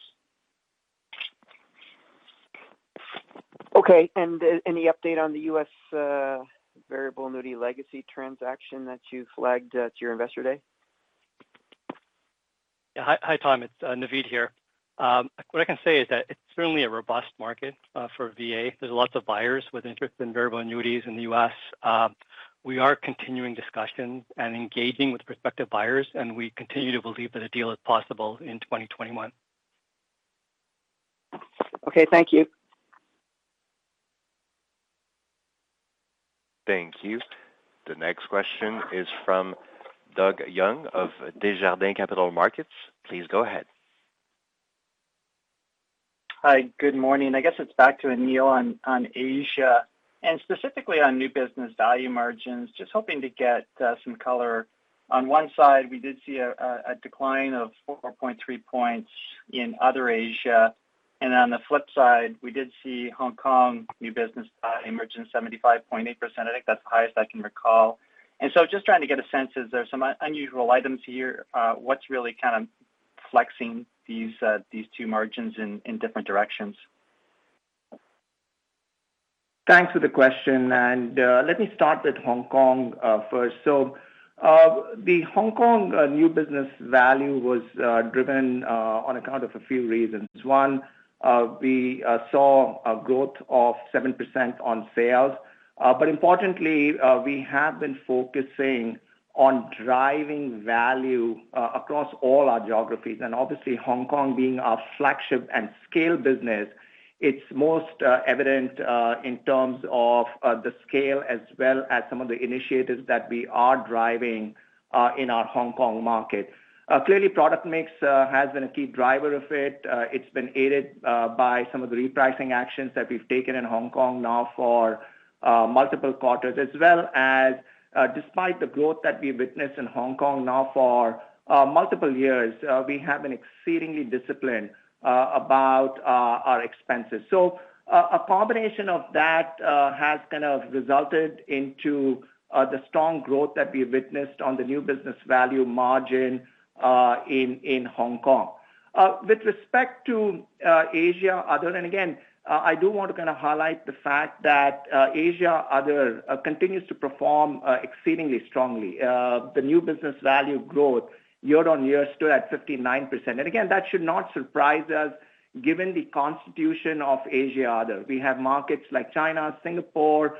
Okay. Any update on the U.S. Variable Annuity Legacy transaction that you flagged at your Investor Day? Yeah. Hi, Tom. It's Naveed here. What I can say is that it's certainly a robust market for VA. There's lots of buyers with interest in variable annuities in the U.S. We are continuing discussions and engaging with prospective buyers, and we continue to believe that a deal is possible in 2021. Okay. Thank you. Thank you. The next question is from Doug Young of Desjardins Capital Markets. Please go ahead. Hi, good morning. I guess it's back to Anil on Asia and specifically on new business value margins. Just hoping to get some color. On one side, we did see a decline of 4.3 points in other Asia, and on the flip side, we did see Hong Kong new business value margin 75.8%. I think that's the highest I can recall. Just trying to get a sense, is there some unusual items here? What's really kind of flexing these two margins in different directions? Thanks for the question. Let me start with Hong Kong first. The Hong Kong new business value was driven on account of a few reasons. One, we saw a growth of 7% on sales. Importantly, we have been focusing on driving value across all our geographies. Obviously, Hong Kong being our flagship and scale business, it's most evident in terms of the scale as well as some of the initiatives that we are driving in our Hong Kong market. Clearly, product mix has been a key driver of it. It's been aided by some of the repricing actions that we've taken in Hong Kong now for multiple quarters, as well as, despite the growth that we've witnessed in Hong Kong now for multiple years, we have been exceedingly disciplined about our expenses. A combination of that has kind of resulted into the strong growth that we've witnessed on the new business value margin in Hong Kong. With respect to Asia, Other, again, I do want to kind of highlight the fact that Asia, Other continues to perform exceedingly strongly. The new business value growth year-on-year stood at 59%. Again, that should not surprise us given the constitution of Asia, Other. We have markets like China, Singapore,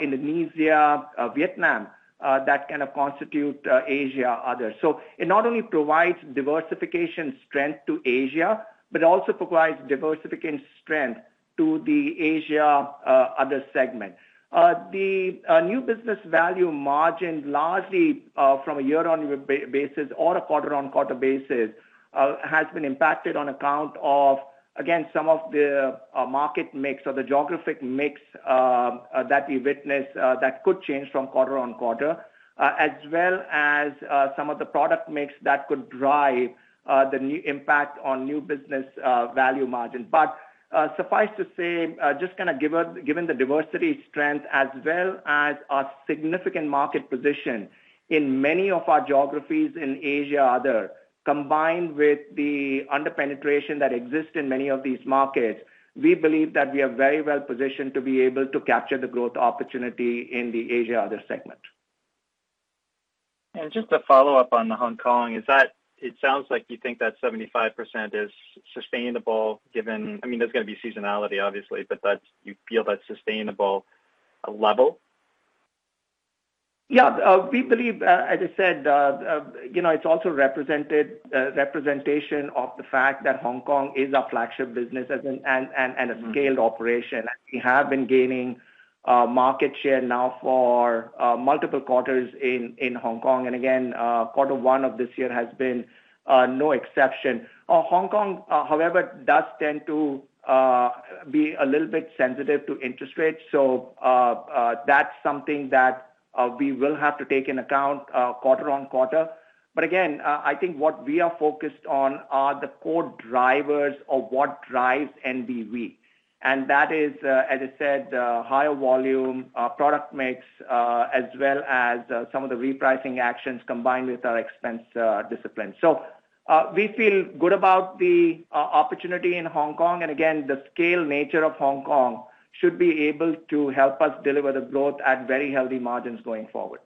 Indonesia, Vietnam, that kind of constitute Asia, Other. It not only provides diversification strength to Asia, but also provides diversification strength to the Asia, Other segment. The new business value margin, largely from a year-over-year basis or a quarter-over-quarter basis, has been impacted on account of, again, some of the market mix or the geographic mix that we witness that could change from quarter-over-quarter, as well as some of the product mix that could drive the new impact on new business value margin. Suffice to say, just kind of given the diversity strength as well as our significant market position in many of our geographies in Asia, Other, combined with the under-penetration that exists in many of these markets, we believe that we are very well positioned to be able to capture the growth opportunity in the Asia, Other segment. Just a follow-up on the Hong Kong, it sounds like you think that 75% is sustainable. There's going to be seasonality, obviously, but you feel that's sustainable level? Yeah. As I said, it's also representation of the fact that Hong Kong is our flagship business and a scaled operation. We have been gaining market share now for multiple quarters in Hong Kong. Again, quarter one of this year has been no exception. Hong Kong, however, does tend to be a little bit sensitive to interest rates, so that's something that we will have to take in account quarter-on-quarter. Again, I think what we are focused on are the core drivers of what drives NBV. That is, as I said, higher volume, product mix, as well as some of the repricing actions combined with our expense discipline. We feel good about the opportunity in Hong Kong. Again, the scale nature of Hong Kong should be able to help us deliver the growth at very healthy margins going forward.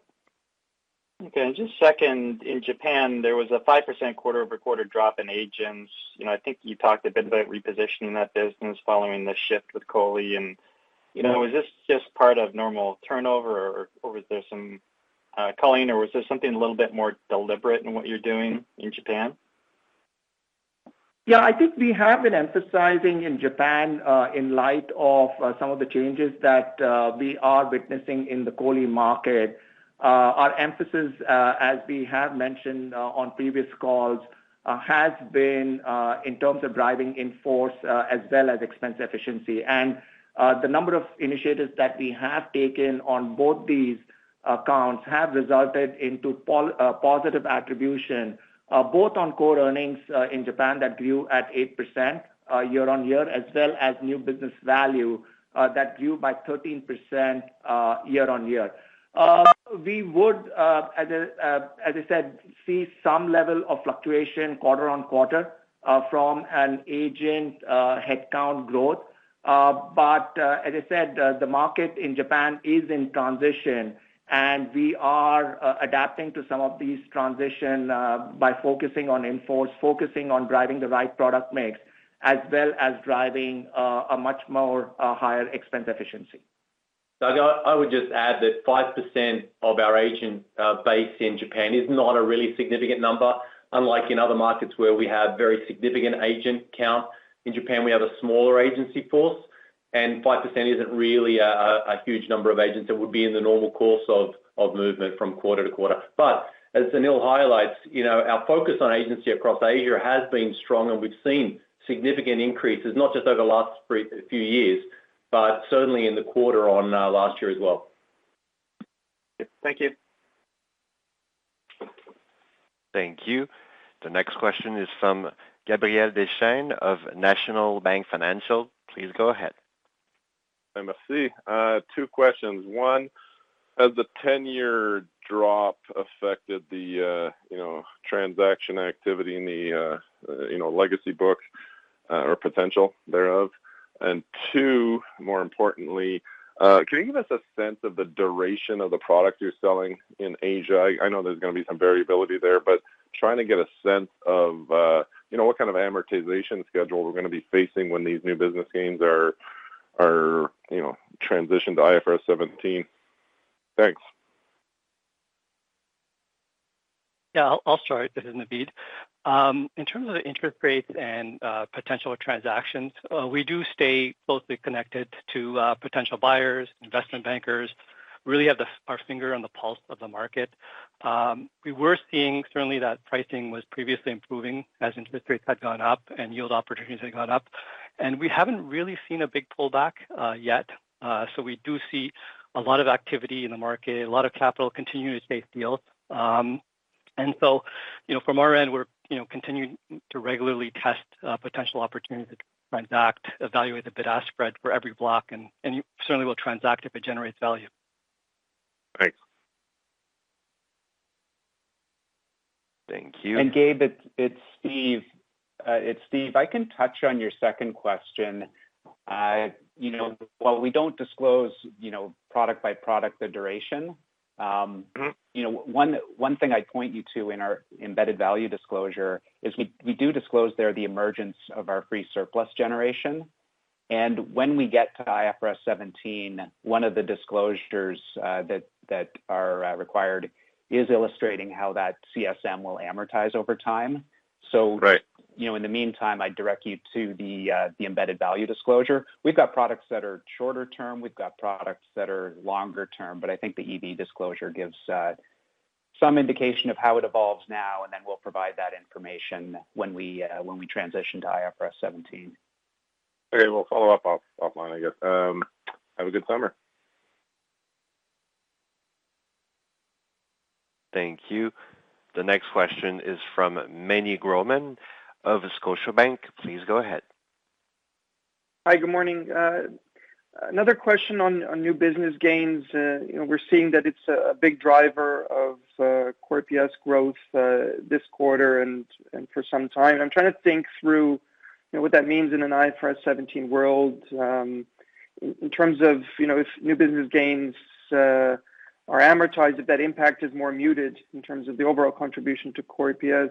Okay. Just second, in Japan, there was a 5% quarter-over-quarter drop in agents. I think you talked a bit about repositioning that business following the shift with COLI. Is this just part of normal turnover, Damien Green, or was this something a little bit more deliberate in what you're doing in Japan? Yeah, I think we have been emphasizing in Japan, in light of some of the changes that we are witnessing in the COLI market. Our emphasis, as we have mentioned on previous calls, has been in terms of driving in force as well as expense efficiency. The number of initiatives that we have taken on both these accounts have resulted into positive attribution, both on core earnings in Japan that grew at 8% year-on-year, as well as new business value that grew by 13% year-on-year. We would, as I said, see some level of fluctuation quarter-on-quarter from an agent headcount growth. As I said, the market in Japan is in transition, and we are adapting to some of these transition by focusing on in force, focusing on driving the right product mix, as well as driving a much more higher expense efficiency. Doug, I would just add that 5% of our agent base in Japan is not a really significant number. Unlike in other markets where we have very significant agent count, in Japan, we have a smaller agency force. 5% isn't really a huge number of agents. That would be in the normal course of movement from quarter-to-quarter. As Anil highlights, our focus on agency across Asia has been strong, and we've seen significant increases, not just over the last few years, but certainly in the quarter on last year as well. Thank you. Thank you. The next question is from Gabriel Dechaine of National Bank Financial. Please go ahead. Two questions. One, has the 10-year drop affected the transaction activity in the legacy book or potential thereof? Two, more importantly, can you give us a sense of the duration of the product you're selling in Asia? I know there's going to be some variability there, but trying to get a sense of what kind of amortization schedule we're going to be facing when these new business gains are transitioned to IFRS 17. Thanks. Yeah, I'll start. This is Naveed. In terms of the interest rates and potential transactions, we do stay closely connected to potential buyers, investment bankers, really have our finger on the pulse of the market. We were seeing certainly that pricing was previously improving as interest rates had gone up and yield opportunities had gone up. We haven't really seen a big pullback yet. We do see a lot of activity in the market, a lot of capital continuing to chase deals. From our end, we're continuing to regularly test potential opportunities to transact, evaluate the bid-ask spread for every block, and we certainly will transact if it generates value. Great. Thank you. Gabe, it's Steve. I can touch on your second question. While we don't disclose product by product, the duration, one thing I'd point you to in our embedded value disclosure is we do disclose there the emergence of our free surplus generation. When we get to IFRS 17, one of the disclosures that are required is illustrating how that CSM will amortize over time. Right. In the meantime, I'd direct you to the embedded value disclosure. We've got products that are shorter term, we've got products that are longer term, but I think the EV disclosure gives some indication of how it evolves now, and then we'll provide that information when we transition to IFRS 17. Okay. We'll follow up offline, I guess. Have a good summer. Thank you. The next question is from Meny Grauman of Scotiabank. Please go ahead. Hi, good morning. Another question on new business gains. We're seeing that it's a big driver of Core EPS growth this quarter and for some time. I'm trying to think through what that means in an IFRS 17 world in terms of if new business gains are amortized, if that impact is more muted in terms of the overall contribution to Core EPS.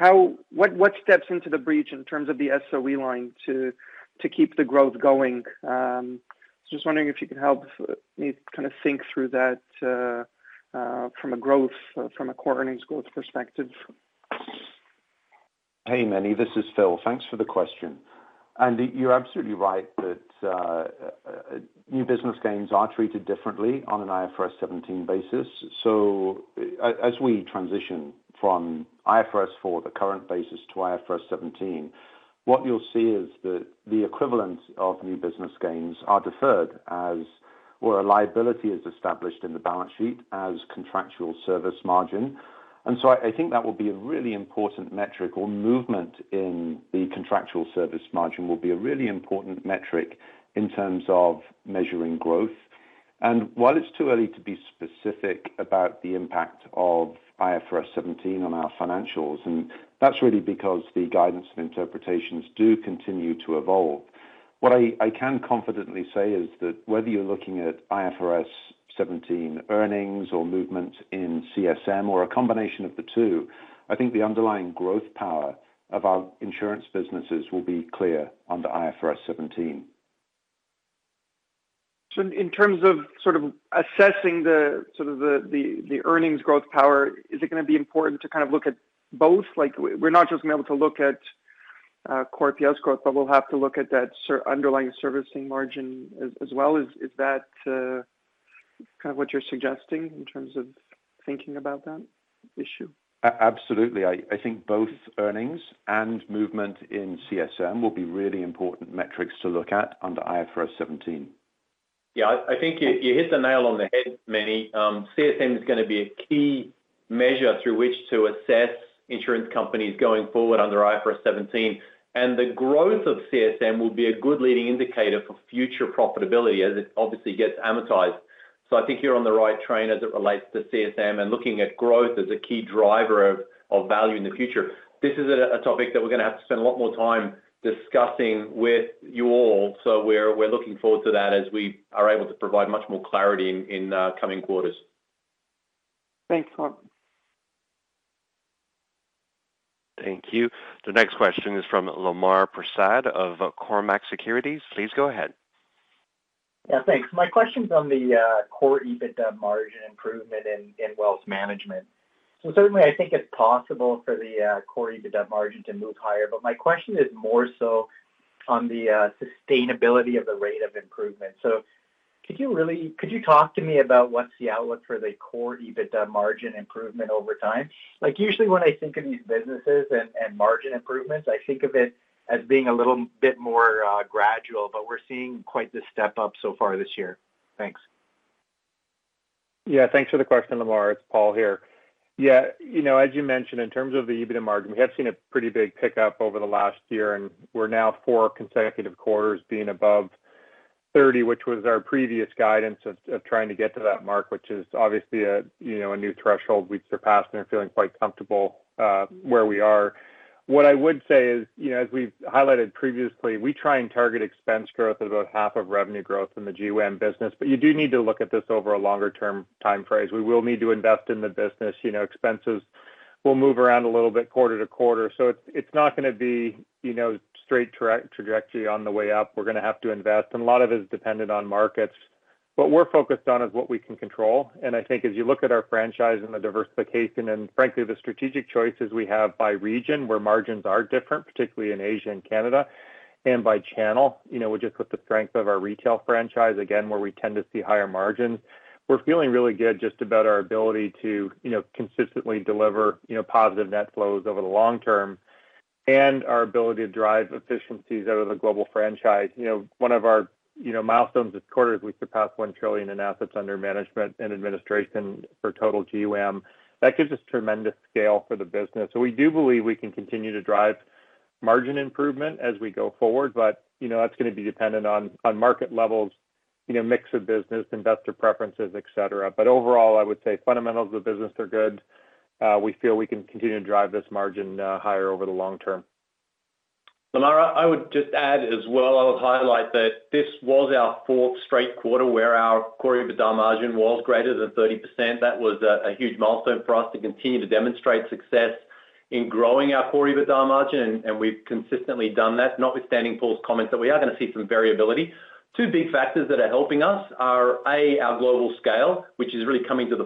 What steps into the breach in terms of the SOE line to keep the growth going? Just wondering if you could help me kind of think through that from a growth, from a core earnings growth perspective. Hey, Meny, this is Phil. Thanks for the question. You're absolutely right that new business gains are treated differently on an IFRS 17 basis. As we transition from IFRS 4, the current basis, to IFRS 17, what you'll see is that the equivalent of new business gains are deferred as where a liability is established in the balance sheet as contractual service margin. I think that will be a really important metric, or movement in the contractual service margin will be a really important metric in terms of measuring growth. While it's too early to be specific about the impact of IFRS 17 on our financials, and that's really because the guidance and interpretations do continue to evolve. What I can confidently say is that whether you're looking at IFRS 17 earnings or movement in CSM or a combination of the two, I think the underlying growth power of our insurance businesses will be clear under IFRS 17. In terms of sort of assessing the earnings growth power, is it going to be important to kind of look at both? We're not just going to be able to look at Core EPS growth, but we'll have to look at that underlying servicing margin as well. Is that kind of what you're suggesting in terms of thinking about that issue? Absolutely. I think both earnings and movement in CSM will be really important metrics to look at under IFRS 17. Yeah, I think you hit the nail on the head, Meny. CSM is going to be a key measure through which to assess insurance companies going forward under IFRS 17. The growth of CSM will be a good leading indicator for future profitability as it obviously gets amortized. I think you're on the right train as it relates to CSM and looking at growth as a key driver of value in the future. This is a topic that we're going to have to spend a lot more time discussing with you all, so we're looking forward to that as we are able to provide much more clarity in coming quarters. Thanks, Gori. Thank you. The next question is from Lemar Persaud of Cormark Securities. Please go ahead. Yeah, thanks. My question's on the Core EBITDA margin improvement in wealth management. Certainly, I think it's possible for the Core EBITDA margin to move higher, but my question is more so on the sustainability of the rate of improvement. Could you talk to me about what's the outlook for the Core EBITDA margin improvement over time? Usually, when I think of these businesses and margin improvements, I think of it as being a little bit more gradual, but we're seeing quite the step up so far this year. Thanks. Yeah, thanks for the question, Lemar. It's Paul here. As you mentioned, in terms of the EBITDA margin, we have seen a pretty big pickup over the last year, and we're now four consecutive quarters being above 30%, which was our previous guidance of trying to get to that mark, which is obviously a new threshold we've surpassed and are feeling quite comfortable where we are. What I would say is, as we've highlighted previously, we try and target expense growth at about half of revenue growth in the GWAM business. You do need to look at this over a longer term time frame. We will need to invest in the business. Expenses will move around a little bit quarter to quarter. It's not going to be straight trajectory on the way up. We're going to have to invest, and a lot of it is dependent on markets. What we're focused on is what we can control, and I think as you look at our franchise and the diversification and frankly, the strategic choices we have by region, where margins are different, particularly in Asia and Canada, and by channel, just with the strength of our retail franchise, again, where we tend to see higher margins. We're feeling really good just about our ability to consistently deliver positive net flows over the long term and our ability to drive efficiencies out of the global franchise. One of our milestones this quarter is we surpassed 1 trillion in assets under management and administration for total Global WAM. That gives us tremendous scale for the business. We do believe we can continue to drive margin improvement as we go forward, but that's going to be dependent on market levels, mix of business, investor preferences, et cetera. Overall, I would say fundamentals of the business are good. We feel we can continue to drive this margin higher over the long term. Lemar, I would just add as well, I would highlight that this was our fourth straight quarter where our Core EBITDA margin was greater than 30%. That was a huge milestone for us to continue to demonstrate success in growing our Core EBITDA margin, and we've consistently done that, notwithstanding Paul's comments that we are going to see some variability. Two big factors that are helping us are, A, our global scale, which is really coming to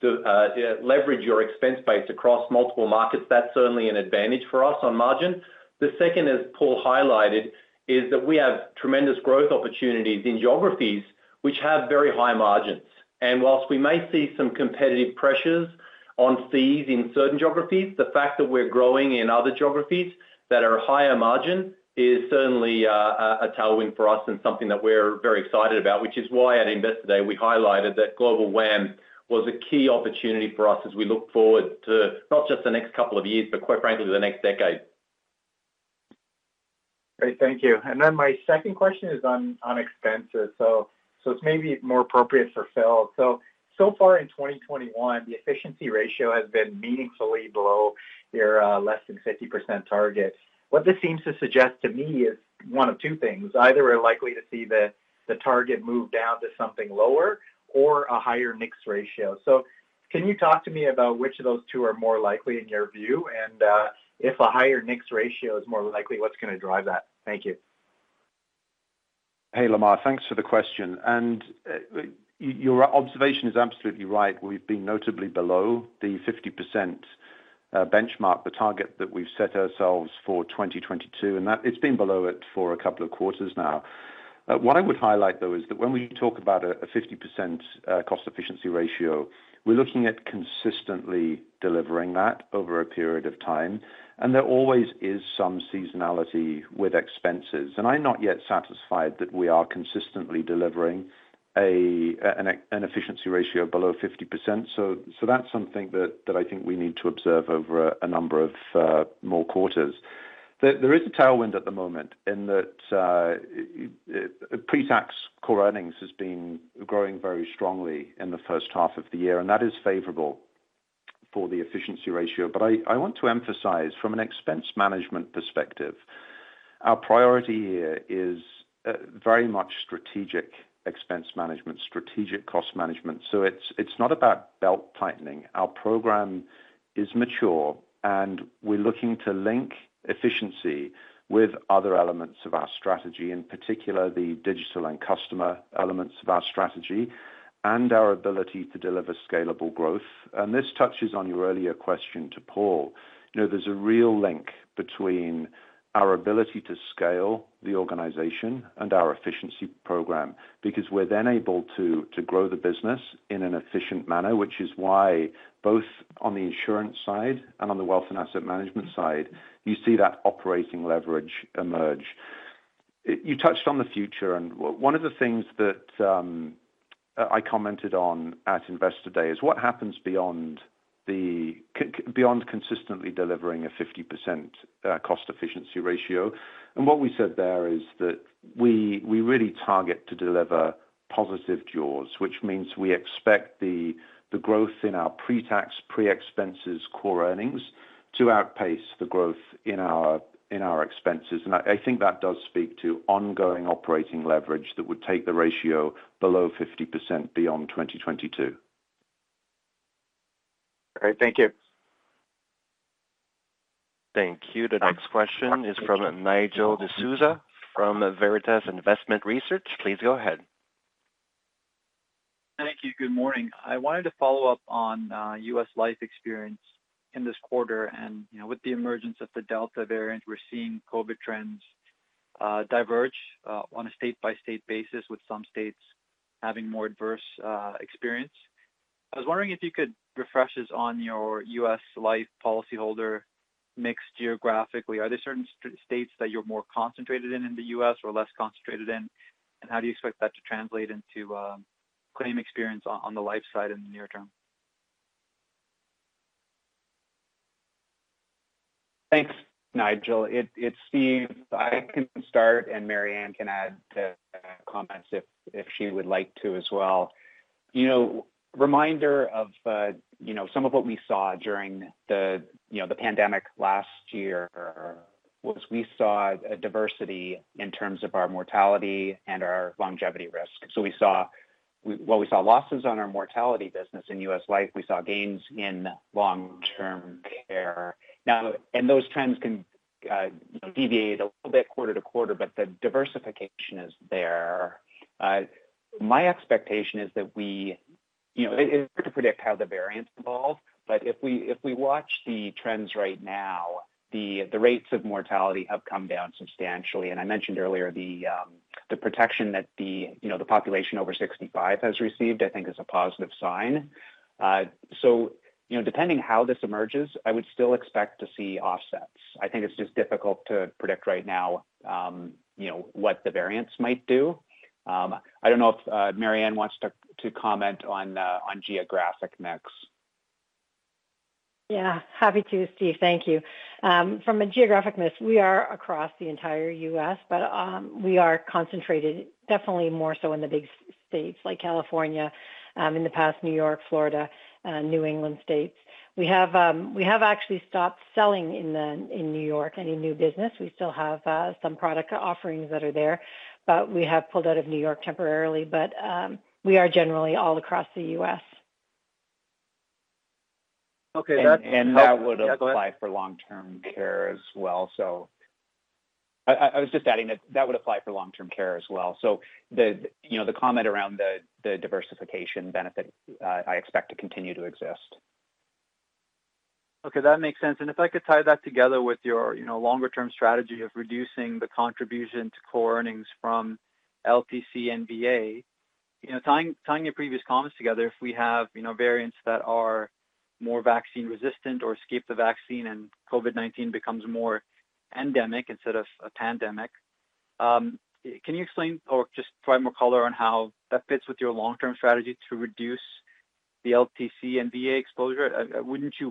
the fore. When you're able to defray or leverage your expense base across multiple markets, that's certainly an advantage for us on margin. The second, as Paul highlighted, is that we have tremendous growth opportunities in geographies which have very high margins. Whilst we may see some competitive pressures on fees in certain geographies, the fact that we're growing in other geographies that are higher margin is certainly a tailwind for us and something that we're very excited about, which is why at Investor Day, we highlighted that Global WAM was a key opportunity for us as we look forward to not just the next couple of years, but quite frankly, the next decade. Great. Thank you. My second question is on expenses, so it's maybe more appropriate for Phil. So far in 2021, the efficiency ratio has been meaningfully below your less than 50% target. What this seems to suggest to me is one of two things. Either we're likely to see the target move down to something lower or a higher mix ratio. Can you talk to me about which of those two are more likely in your view? If a higher mix ratio is more likely, what's going to drive that? Thank you. Hey, Lemar. Thanks for the question. Your observation is absolutely right. We've been notably below the 50% benchmark, the target that we've set ourselves for 2022, and that it's been below it for a couple of quarters now. What I would highlight, though, is that when we talk about a 50% cost efficiency ratio, we're looking at consistently delivering that over a period of time, and there always is some seasonality with expenses. I'm not yet satisfied that we are consistently delivering an efficiency ratio below 50%. That's something that I think we need to observe over a number of more quarters. There is a tailwind at the moment in that pre-tax core earnings has been growing very strongly in the first half of the year, and that is favorable for the efficiency ratio. I want to emphasize from an expense management perspective, our priority here is very much strategic expense management, strategic cost management. It's not about belt-tightening. Our program is mature, and we're looking to link efficiency with other elements of our strategy, in particular, the digital and customer elements of our strategy and our ability to deliver scalable growth. This touches on your earlier question to Paul. There's a real link between our ability to scale the organization and our efficiency program because we're then able to grow the business in an efficient manner, which is why both on the insurance side and on the Wealth and Asset Management side, you see that operating leverage emerge. You touched on the future, and one of the things that I commented on at Investor Day is what happens beyond consistently delivering a 50% cost efficiency ratio. What we said there is that we really target to deliver positive jaws, which means we expect the growth in our pre-tax, pre-expenses core earnings to outpace the growth in our expenses. I think that does speak to ongoing operating leverage that would take the ratio below 50% beyond 2022. All right. Thank you. Thank you. The next question is from Nigel D'Souza from Veritas Investment Research. Please go ahead. Thank you. Good morning. I wanted to follow up on U.S. Life experience in this quarter. With the emergence of the Delta variant, we're seeing COVID trends diverge on a state-by-state basis, with some states having more adverse experience. I was wondering if you could refresh us on your U.S. Life policyholder mix geographically. Are there certain states that you're more concentrated in the U.S., or less concentrated in? How do you expect that to translate into claim experience on the life side in the near term? Thanks, Nigel. It's Steve. I can start, and Marianne Harrison can add to comments if she would like to as well. Reminder of some of what we saw during the pandemic last year was we saw a diversity in terms of our mortality and our longevity risk. We saw losses on our mortality business in US Life. We saw gains in long-term care. Those trends can deviate a little bit quarter-to-quarter, but the diversification is there. My expectation is that it's hard to predict how the variants evolve, but if we watch the trends right now, the rates of mortality have come down substantially. I mentioned earlier the protection that the population over 65 has received, I think is a positive sign. Depending how this emerges, I would still expect to see offsets. I think it's just difficult to predict right now what the variants might do. I don't know if Marianne Harrison wants to comment on geographic mix. Yeah. Happy to, Steve. Thank you. From a geographic mix, we are across the entire U.S., but we are concentrated definitely more so in the big states like California, in the past, New York, Florida, New England states. We have actually stopped selling in New York, any new business. We still have some product offerings that are there, but we have pulled out of New York temporarily. We are generally all across the U.S. Okay. That would apply for long-term care as well. I was just adding that would apply for long-term care as well. The comment around the diversification benefit, I expect to continue to exist. Okay, that makes sense. If I could tie that together with your longer-term strategy of reducing the contribution to core earnings from LTC and VA. Tying your previous comments together, if we have variants that are more vaccine resistant or escape the vaccine and COVID-19 becomes more endemic instead of a pandemic, can you explain or just provide more color on how that fits with your long-term strategy to reduce the LTC and VA exposure? Wouldn't you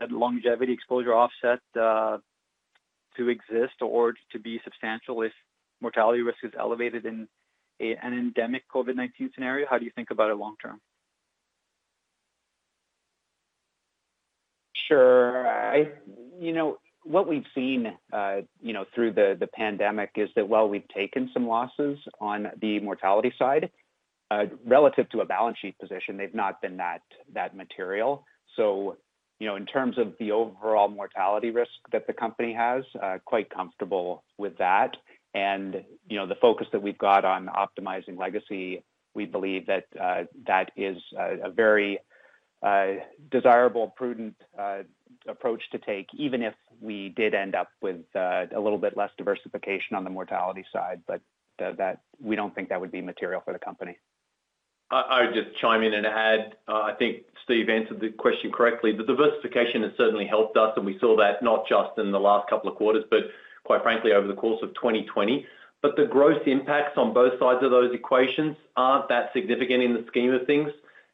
want that longevity exposure offset to exist or to be substantial if mortality risk is elevated in an endemic COVID-19 scenario? How do you think about it long term? Sure. What we've seen through the pandemic is that while we've taken some losses on the mortality side, relative to a balance sheet position, they've not been that material. In terms of the overall mortality risk that the company has, quite comfortable with that. The focus that we've got on optimizing legacy, we believe that that is a very desirable, prudent approach to take, even if we did end up with a little bit less diversification on the mortality side. We don't think that would be material for the company. I would just chime in and add, I think Steve answered the question correctly. The diversification has certainly helped us, and we saw that not just in the last couple of quarters, but quite frankly, over the course of 2020. The gross impacts on both sides of those equations aren't that significant in the scheme of things.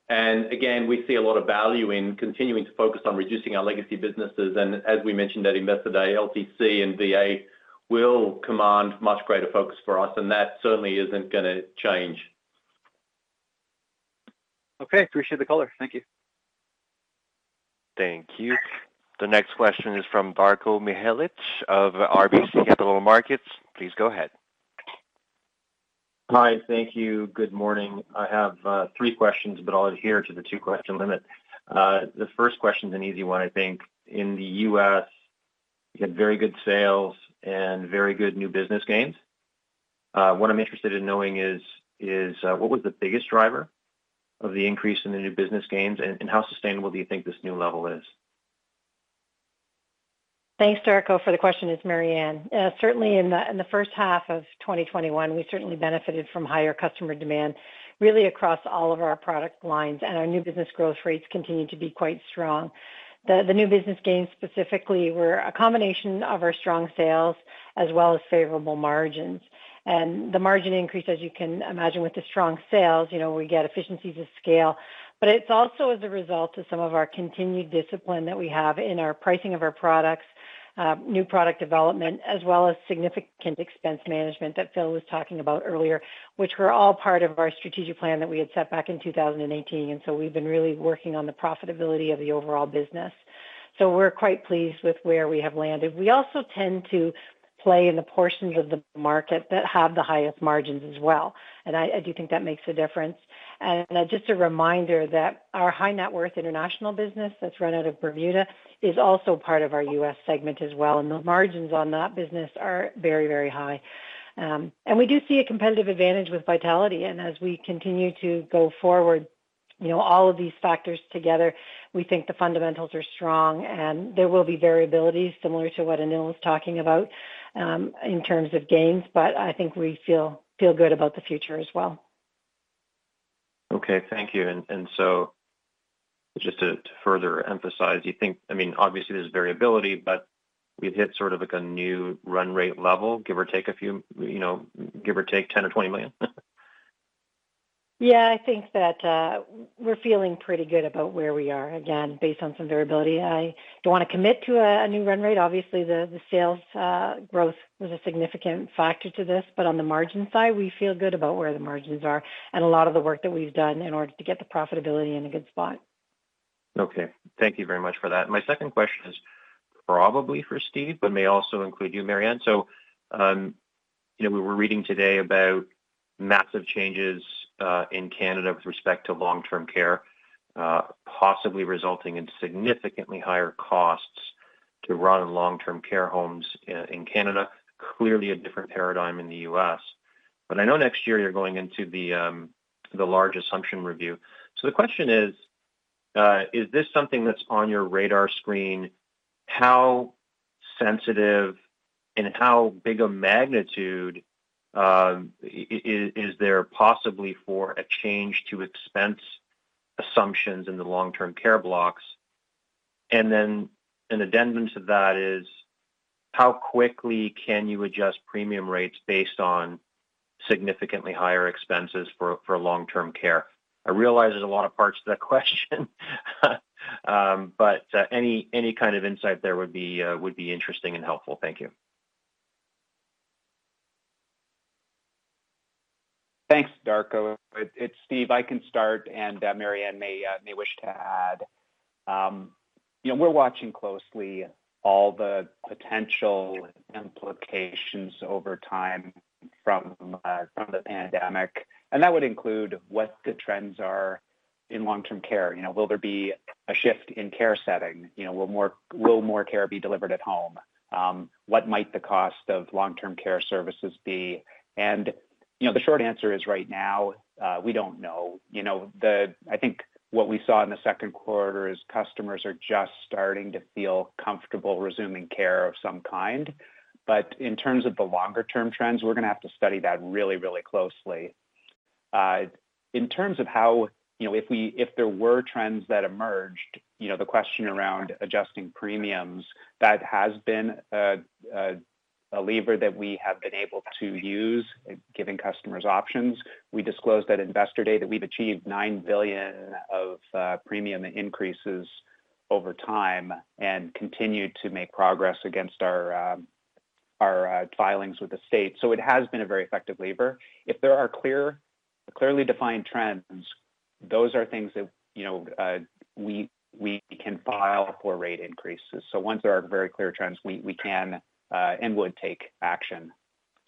Again, we see a lot of value in continuing to focus on reducing our legacy businesses. As we mentioned at Investor Day, LTC and VA will command much greater focus for us, and that certainly isn't going to change. Okay. Appreciate the color. Thank you. Thank you. The next question is from Darko Mihelic of RBC Capital Markets. Please go ahead. Hi. Thank you. Good morning. I have three questions, but I'll adhere to the two-question limit. The first question is an easy one, I think. In the U.S., you had very good sales and very good new business gains. What I'm interested in knowing is, what was the biggest driver of the increase in the new business gains, and how sustainable do you think this new level is? Thanks, Darko, for the question. It's Marianne. Certainly in the first half of 2021, we certainly benefited from higher customer demand really across all of our product lines, and our new business growth rates continue to be quite strong. The new business gains specifically were a combination of our strong sales as well as favorable margins. The margin increase, as you can imagine with the strong sales, we get efficiencies of scale. It's also as a result of some of our continued discipline that we have in our pricing of our products, new product development, as well as significant expense management that Phil was talking about earlier, which were all part of our strategic plan that we had set back in 2018. We've been really working on the profitability of the overall business. We're quite pleased with where we have landed. We also tend to play in the portions of the market that have the highest margins as well. I do think that makes a difference. Just a reminder that our high net worth international business that's run out of Bermuda is also part of our U.S. segment as well, and the margins on that business are very high. We do see a competitive advantage with Vitality. As we continue to go forward, all of these factors together, we think the fundamentals are strong, and there will be variabilities similar to what Anil was talking about, in terms of gains, but I think we feel good about the future as well. Okay. Thank you. Just to further emphasize, obviously there's variability, but we've hit sort of like a new run rate level, give or take 10 million or 20 million? Yeah, I think that we're feeling pretty good about where we are again, based on some variability. I don't want to commit to a new run rate. Obviously, the sales growth was a significant factor to this, but on the margin side, we feel good about where the margins are and a lot of the work that we've done in order to get the profitability in a good spot. Okay. Thank you very much for that. My second question is probably for Steve, but may also include you, Marianne. We were reading today about massive changes, in Canada with respect to long-term care, possibly resulting in significantly higher costs to run long-term care homes in Canada. Clearly a different paradigm in the U.S. I know next year you're going into the large assumption review. The question is this something that's on your radar screen? How sensitive and how big a magnitude, is there possibly for a change to expense assumptions in the long-term care blocks? An addendum to that is how quickly can you adjust premium rates based on significantly higher expenses for long-term care? I realize there's a lot of parts to that question, but, any kind of insight there would be interesting and helpful. Thank you. Thanks, Darko. It's Steve. I can start and Marianne may wish to add. We're watching closely all the potential implications over time from the pandemic, and that would include what the trends are in long-term care. Will there be a shift in care setting? Will more care be delivered at home? What might the cost of long-term care services be? The short answer is right now, we don't know. I think what we saw in the second quarter is customers are just starting to feel comfortable resuming care of some kind. In terms of the longer term trends, we're going to have to study that really closely. In terms of how, if there were trends that emerged, the question around adjusting premiums, that has been a lever that we have been able to use, giving customers options. We disclosed at Investor Day that we've achieved 9 billion of premium increases over time and continued to make progress against our filings with the state. It has been a very effective lever. If there are clearly defined trends, those are things that we can file for rate increases. Once there are very clear trends, we can, and would take action.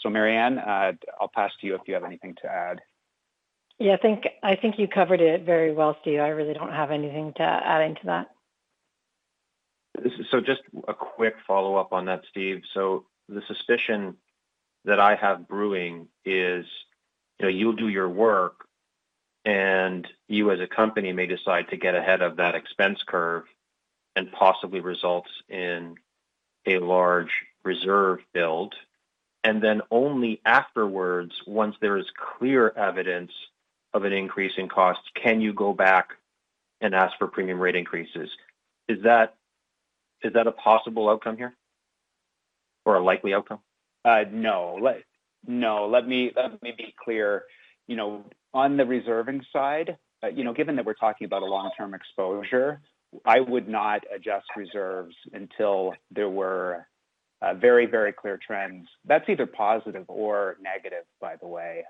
Marianne, I'll pass to you if you have anything to add. Yeah, I think you covered it very well, Steve. I really don't have anything to add into that. Just a quick follow-up on that, Steve. The suspicion that I have brewing is, you'll do your work and you as a company may decide to get ahead of that expense curve and possibly results in a large reserve build, and then only afterwards, once there is clear evidence of an increase in cost, can you go back and ask for premium rate increases. Is that a possible outcome here or a likely outcome? No. Let me be clear. On the reserving side, given that we're talking about a long-term exposure, I would not adjust reserves until there were very clear trends. That's either positive or negative, by the way.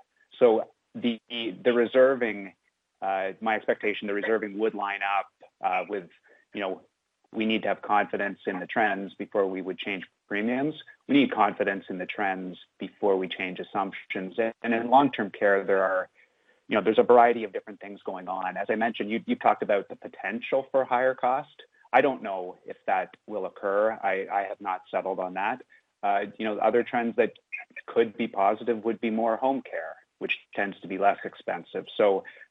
My expectation, the reserving would line up with we need to have confidence in the trends before we would change premiums. We need confidence in the trends before we change assumptions. In long-term care, there's a variety of different things going on. As I mentioned, you talked about the potential for higher cost. I don't know if that will occur. I have not settled on that. Other trends that could be positive would be more home care, which tends to be less expensive.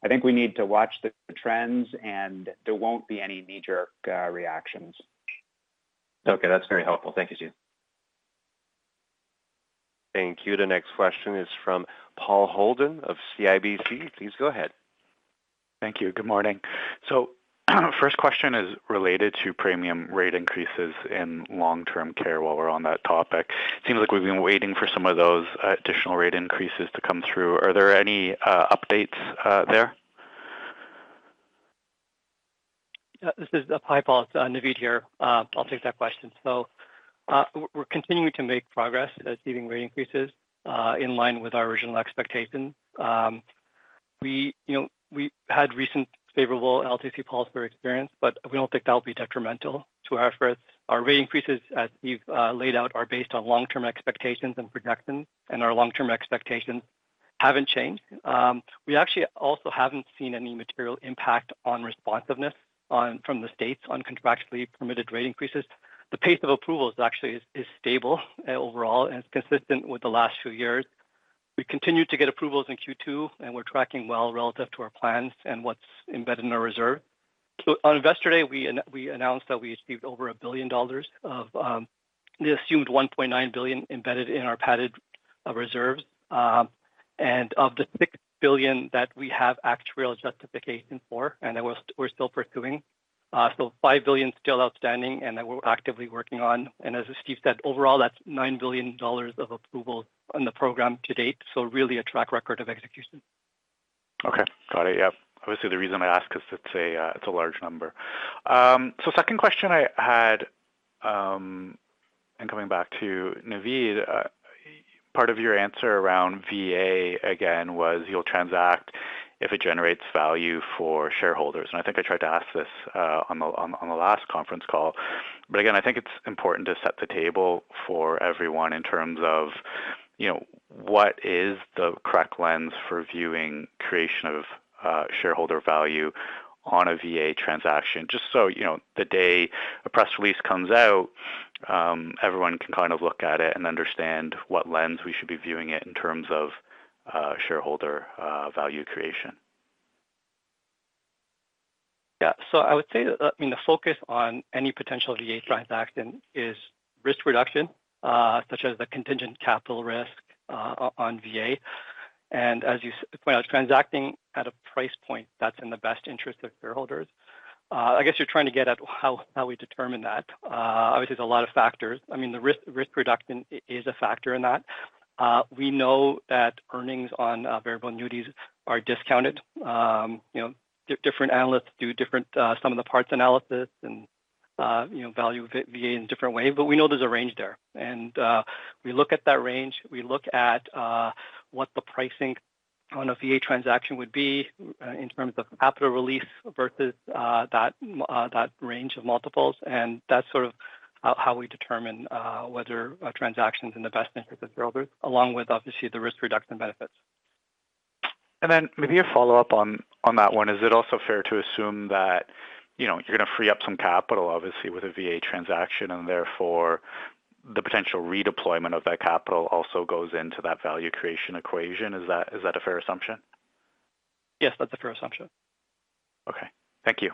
I think we need to watch the trends, and there won't be any knee-jerk reactions. Okay. That's very helpful. Thank you, Steve. Thank you. The next question is from Paul Holden of CIBC. Please go ahead. Thank you. Good morning. First question is related to premium rate increases in long-term care while we're on that topic. Seems like we've been waiting for some of those additional rate increases to come through. Are there any updates there? Yeah. This is Naveed here. I'll take that question. We're continuing to make progress at achieving rate increases, in line with our original expectation. We had recent favorable LTC policy experience, we don't think that'll be detrimental to our efforts. Our rate increases, as Steve laid out, are based on long-term expectations and projections, our long-term expectations haven't changed. We actually also haven't seen any material impact on responsiveness from the states on contractually permitted rate increases. The pace of approvals actually is stable overall and is consistent with the last few years. We continued to get approvals in Q2, we're tracking well relative to our plans and what's embedded in our reserve. On Investor Day, we announced that we achieved over 1 billion dollars of the assumed 1.9 billion embedded in our padded reserves. Of the 6 billion that we have actuarial justification for, and that we're still pursuing, 5 billion still outstanding and that we're actively working on. As Steve said, overall, that's 9 billion dollars of approval in the program to date. Really a track record of execution. Okay. Got it. Yep. Obviously, the reason I ask is it's a large number. Second question I had, and coming back to Naveed, part of your answer around VA, again, was you'll transact if it generates value for shareholders. I think I tried to ask this on the last conference call. Again, I think it's important to set the table for everyone in terms of what is the correct lens for viewing creation of shareholder value on a VA transaction. Just so the day a press release comes out, everyone can look at it and understand what lens we should be viewing it in terms of shareholder value creation. Yeah. I would say that, the focus on any potential VA transaction is risk reduction, such as the contingent capital risk on VA. As you point out, transacting at a price point that's in the best interest of shareholders. I guess you're trying to get at how we determine that. Obviously, there's a lot of factors. The risk reduction is a factor in that. We know that earnings on variable annuities are discounted. Different analysts do different sum-of-the-parts analysis and value VA in different ways, but we know there's a range there. We look at that range. We look at what the pricing on a VA transaction would be in terms of capital release versus that range of multiples, and that's sort of how we determine whether a transaction's in the best interest of shareholders, along with obviously the risk reduction benefits. Maybe a follow-up on that one. Is it also fair to assume that you're going to free up some capital, obviously, with a VA transaction and therefore the potential redeployment of that capital also goes into that value creation equation? Is that a fair assumption? Yes, that's a fair assumption. Okay. Thank you.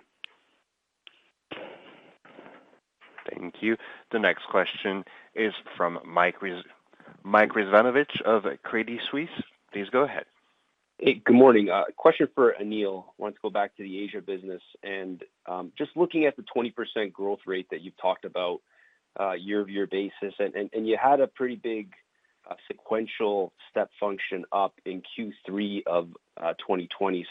Thank you. The next question is from Mike Rizvanovic of Credit Suisse. Please go ahead. Hey, good morning. Question for Anil. Wanted to go back to the Asia business and just looking at the 20% growth rate that you've talked about year-over-year basis, and you had a pretty big sequential step function up in Q3 2020.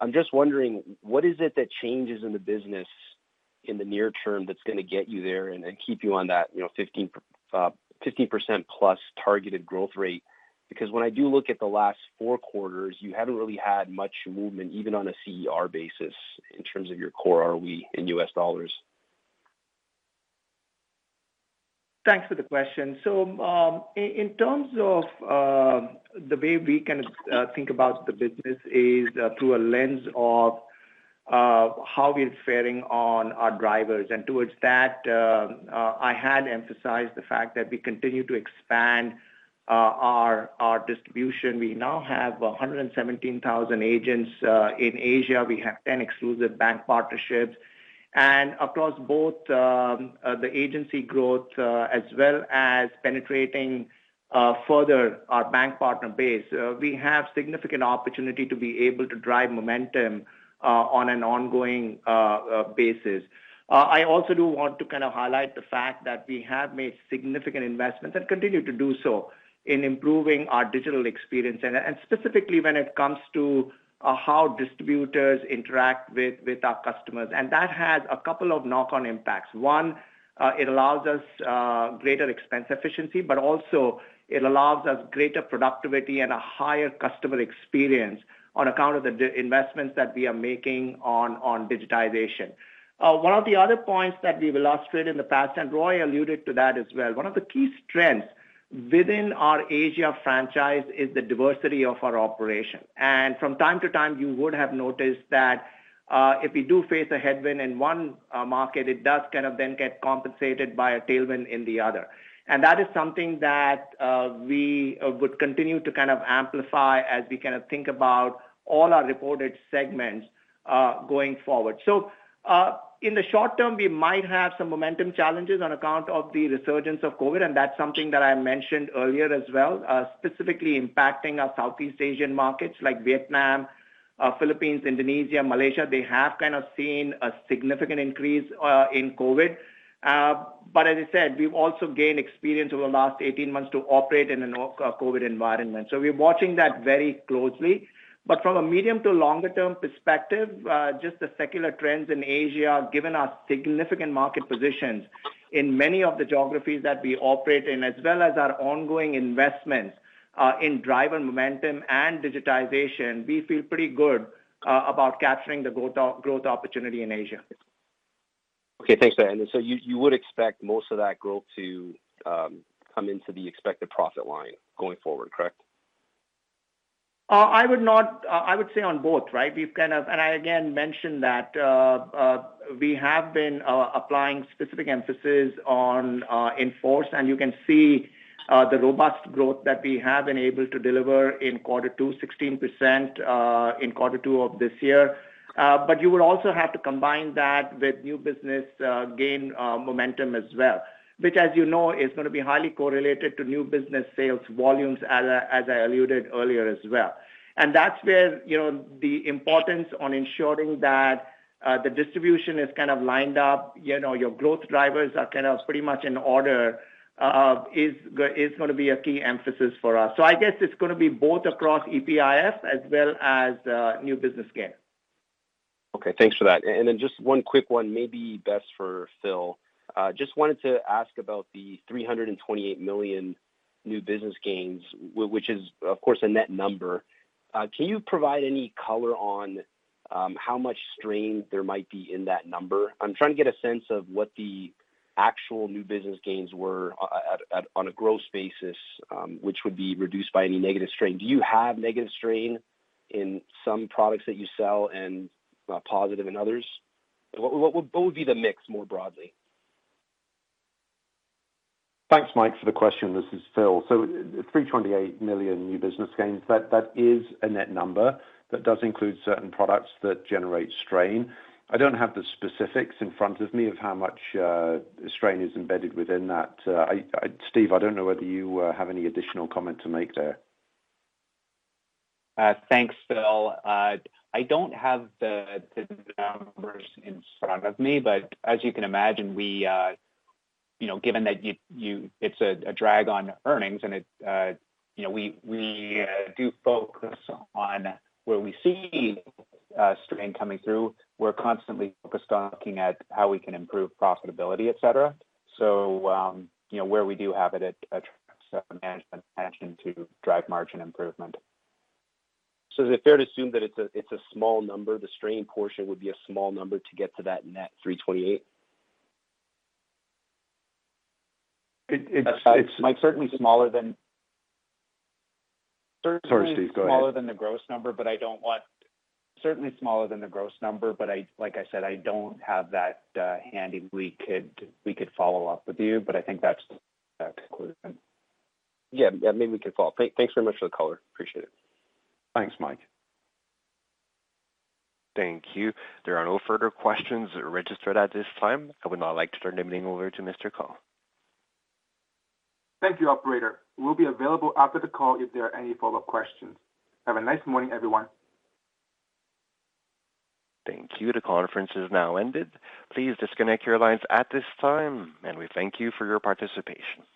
I'm just wondering, what is it that changes in the business in the near term that's going to get you there and keep you on that 15%+ targeted growth rate? When I do look at the last four quarters, you haven't really had much movement, even on a CER basis in terms of your Core EPS in USD. Thanks for the question. In terms of the way we kind of think about the business is through a lens of how we're faring on our drivers. Towards that, I had emphasized the fact that we continue to expand our distribution. We now have 117,000 agents in Asia. We have 10 exclusive bank partnerships. Across both the agency growth as well as penetrating further our bank partner base, we have significant opportunity to be able to drive momentum on an ongoing basis. I also do want to kind of highlight the fact that we have made significant investments and continue to do so in improving our digital experience, and specifically when it comes to how distributors interact with our customers. That has a couple of knock-on impacts. One, it allows us greater expense efficiency. Also, it allows us greater productivity and a higher customer experience on account of the investments that we are making on digitization. One of the other points that we've illustrated in the past, Roy alluded to that as well, one of the key strengths within our Asia franchise is the diversity of our operation. From time to time, you would have noticed that if we do face a headwind in one market, it does kind of then get compensated by a tailwind in the other. That is something that we would continue to kind of amplify as we kind of think about all our reported segments going forward. In the short term, we might have some momentum challenges on account of the resurgence of COVID, and that's something that I mentioned earlier as well, specifically impacting our Southeast Asian markets like Vietnam, Philippines, Indonesia, Malaysia, they have seen a significant increase in COVID. As I said, we've also gained experience over the last 18 months to operate in a COVID environment. We're watching that very closely. From a medium to longer term perspective, just the secular trends in Asia, given our significant market positions in many of the geographies that we operate in, as well as our ongoing investments in driver momentum and digitization, we feel pretty good about capturing the growth opportunity in Asia. Okay. Thanks for that. You would expect most of that growth to come into the expected profit line going forward, correct? I would say on both, right? I, again, mentioned that we have been applying specific emphasis in force, and you can see the robust growth that we have been able to deliver in quarter two, 16% in quarter two of this year. You would also have to combine that with new business gain momentum as well, which, as you know, is going to be highly correlated to new business sales volumes, as I alluded earlier as well. That's where the importance on ensuring that the distribution is lined up, your growth drivers are pretty much in order, is going to be a key emphasis for us. I guess it's going to be both across EPIF as well as new business gain. Okay, thanks for that. Then just one quick one, maybe best for Phil. Just wanted to ask about the 328 million new business gains, which is, of course, a net number. Can you provide any color on how much strain there might be in that number? I'm trying to get a sense of what the actual new business gains were on a gross basis, which would be reduced by any negative strain. Do you have negative strain in some products that you sell and positive in others? What would be the mix more broadly? Thanks, Mike, for the question. This is Phil. 328 million new business gains, that is a net number. That does include certain products that generate strain. I don't have the specifics in front of me of how much strain is embedded within that. Steve, I don't know whether you have any additional comment to make there. Thanks, Phil. I don't have the numbers in front of me, but as you can imagine, given that it's a drag on earnings and we do focus on where we see strain coming through. We're constantly focused on looking at how we can improve profitability, et cetera. Where we do have it, management action to drive margin improvement. Is it fair to assume that it's a small number, the strain portion would be a small number to get to that net 328? It's- Mike. Sorry, Steve. Go ahead Certainly smaller than the gross number, but like I said, I don't have that handy. We could follow up with you, but I think that's the conclusion. Yeah. Maybe we could follow up. Thanks very much for the color. Appreciate it. Thanks, Mike. Thank you. There are no further questions registered at this time. I would now like to turn everything over to Mr. Ko. Thank you, operator. We'll be available after the call if there are any follow-up questions. Have a nice morning, everyone. Thank you. The conference has now ended. Please disconnect your lines at this time, and we thank you for your participation.